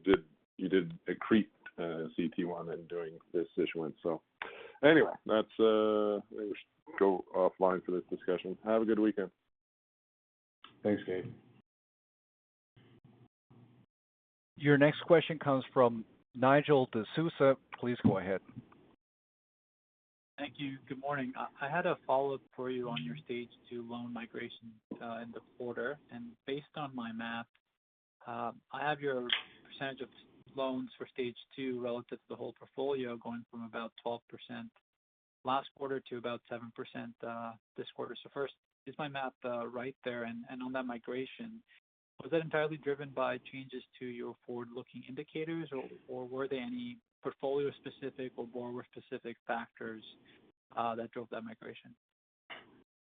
did accrete CET1 in doing this issuance. Anyway, let's go offline for this discussion. Have a good weekend. Thanks, Gabe. Your next question comes from Nigel D'Souza. Please go ahead. Thank you. Good morning. I had a follow-up for you on your stage two loan migration in the quarter, and based on my math, I have your percentage of loans for stage two relative to the whole portfolio going from about 12% last quarter to about 7% this quarter. First, is my math right there, and on that migration, was that entirely driven by changes to your forward-looking indicators, or were there any portfolio-specific or borrower-specific factors that drove that migration?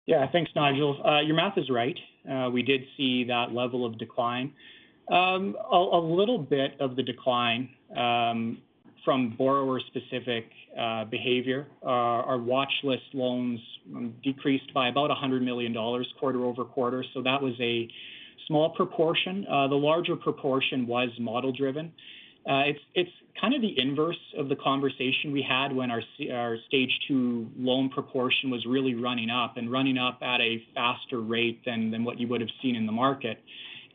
Yeah. Thanks, Nigel. Your math is right. We did see that level of decline. A little bit of the decline from borrower-specific behavior. Our watch list loans decreased by about 100 million dollars quarter-over-quarter, so that was a small proportion. The larger proportion was model-driven. It's kind of the inverse of the conversation we had when our stage two loan proportion was really running up, and running up at a faster rate than what you would have seen in the market,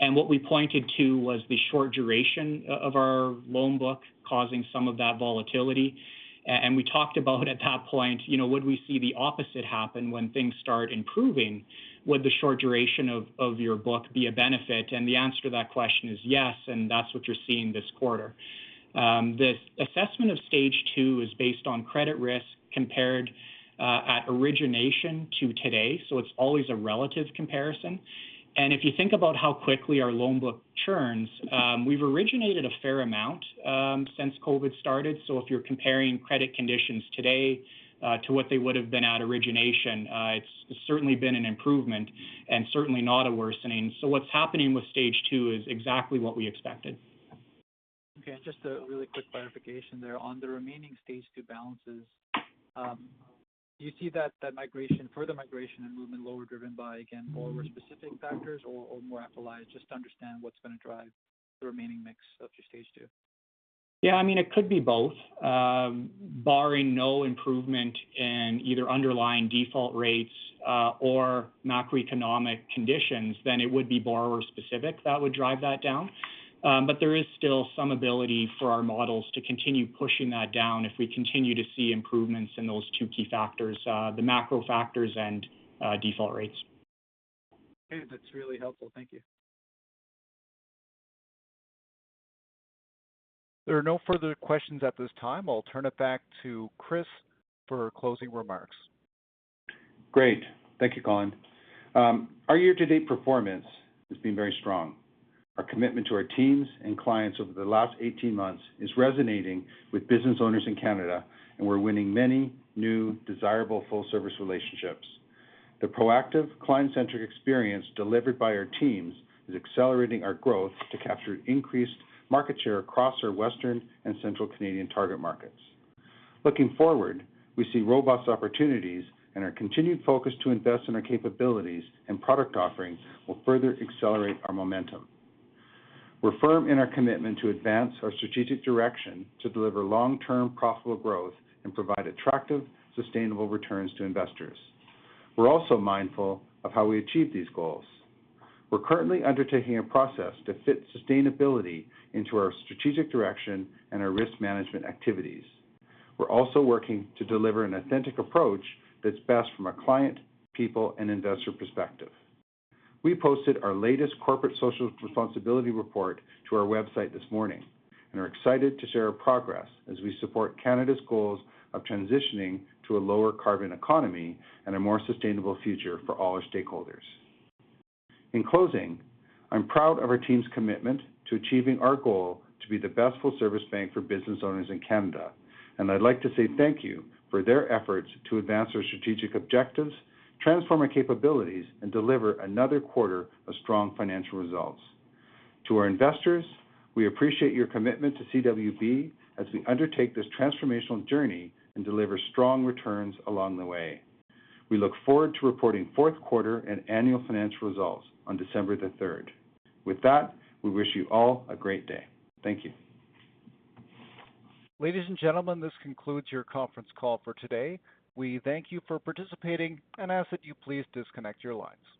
and what we pointed to was the short duration of our loan book causing some of that volatility, and we talked about at that point, would we see the opposite happen when things start improving? Would the short duration of your book be a benefit? The answer to that question is yes, and that's what you're seeing this quarter. The assessment of stage two is based on credit risk compared at origination to today, so it's always a relative comparison, and if you think about how quickly our loan book churns, we've originated a fair amount since COVID started, so if you're comparing credit conditions today to what they would've been at origination, it's certainly been an improvement and certainly not a worsening. So what's happening with stage two is exactly what we expected. Okay. Just a really quick clarification there. On the remaining stage two balances, do you see that further migration and movement lower driven by, again, borrower-specific factors or more apples to apples just to understand what's going to drive the remaining mix of your stage two? Yeah, I mean, it could be both. Barring no improvement in either underlying default rates or macroeconomic conditions, then it would be borrower-specific that would drive that down, but there is still some ability for our models to continue pushing that down if we continue to see improvements in those two key factors, the macro factors and default rates. Okay. That's really helpful. Thank you. There are no further questions at this time. I'll turn it back to Chris for closing remarks. Great. Thank you, Colin. Our year-to-date performance has been very strong. Our commitment to our teams and clients over the last 18 months is resonating with business owners in Canada, and we're winning many new desirable full-service relationships. The proactive client-centric experience delivered by our teams is accelerating our growth to capture increased market share across our Western and Central Canadian target markets. Looking forward, we see robust opportunities, and our continued focus to invest in our capabilities and product offerings will further accelerate our momentum. We're firm in our commitment to advance our strategic direction to deliver long-term profitable growth and provide attractive, sustainable returns to investors. We're also mindful of how we achieve these goals. We're currently undertaking a process to fit sustainability into our strategic direction and our risk management activities. We're also working to deliver an authentic approach that's best from a client, people, and investor perspective. We posted our latest corporate social responsibility report to our website this morning, and are excited to share our progress as we support Canada's goals of transitioning to a lower carbon economy and a more sustainable future for all our stakeholders. In closing, I'm proud of our team's commitment to achieving our goal to be the best full-service bank for business owners in Canada, and I'd like to say thank you for their efforts to advance our strategic objectives, transform our capabilities, and deliver another quarter of strong financial results. To our investors, we appreciate your commitment to CWB as we undertake this transformational journey and deliver strong returns along the way. We look forward to reporting Q4 and annual financial results on December the 3rd. With that, we wish you all a great day. Thank you. Ladies and gentlemen, this concludes your conference call for today. We thank you for participating and ask that you please disconnect your lines.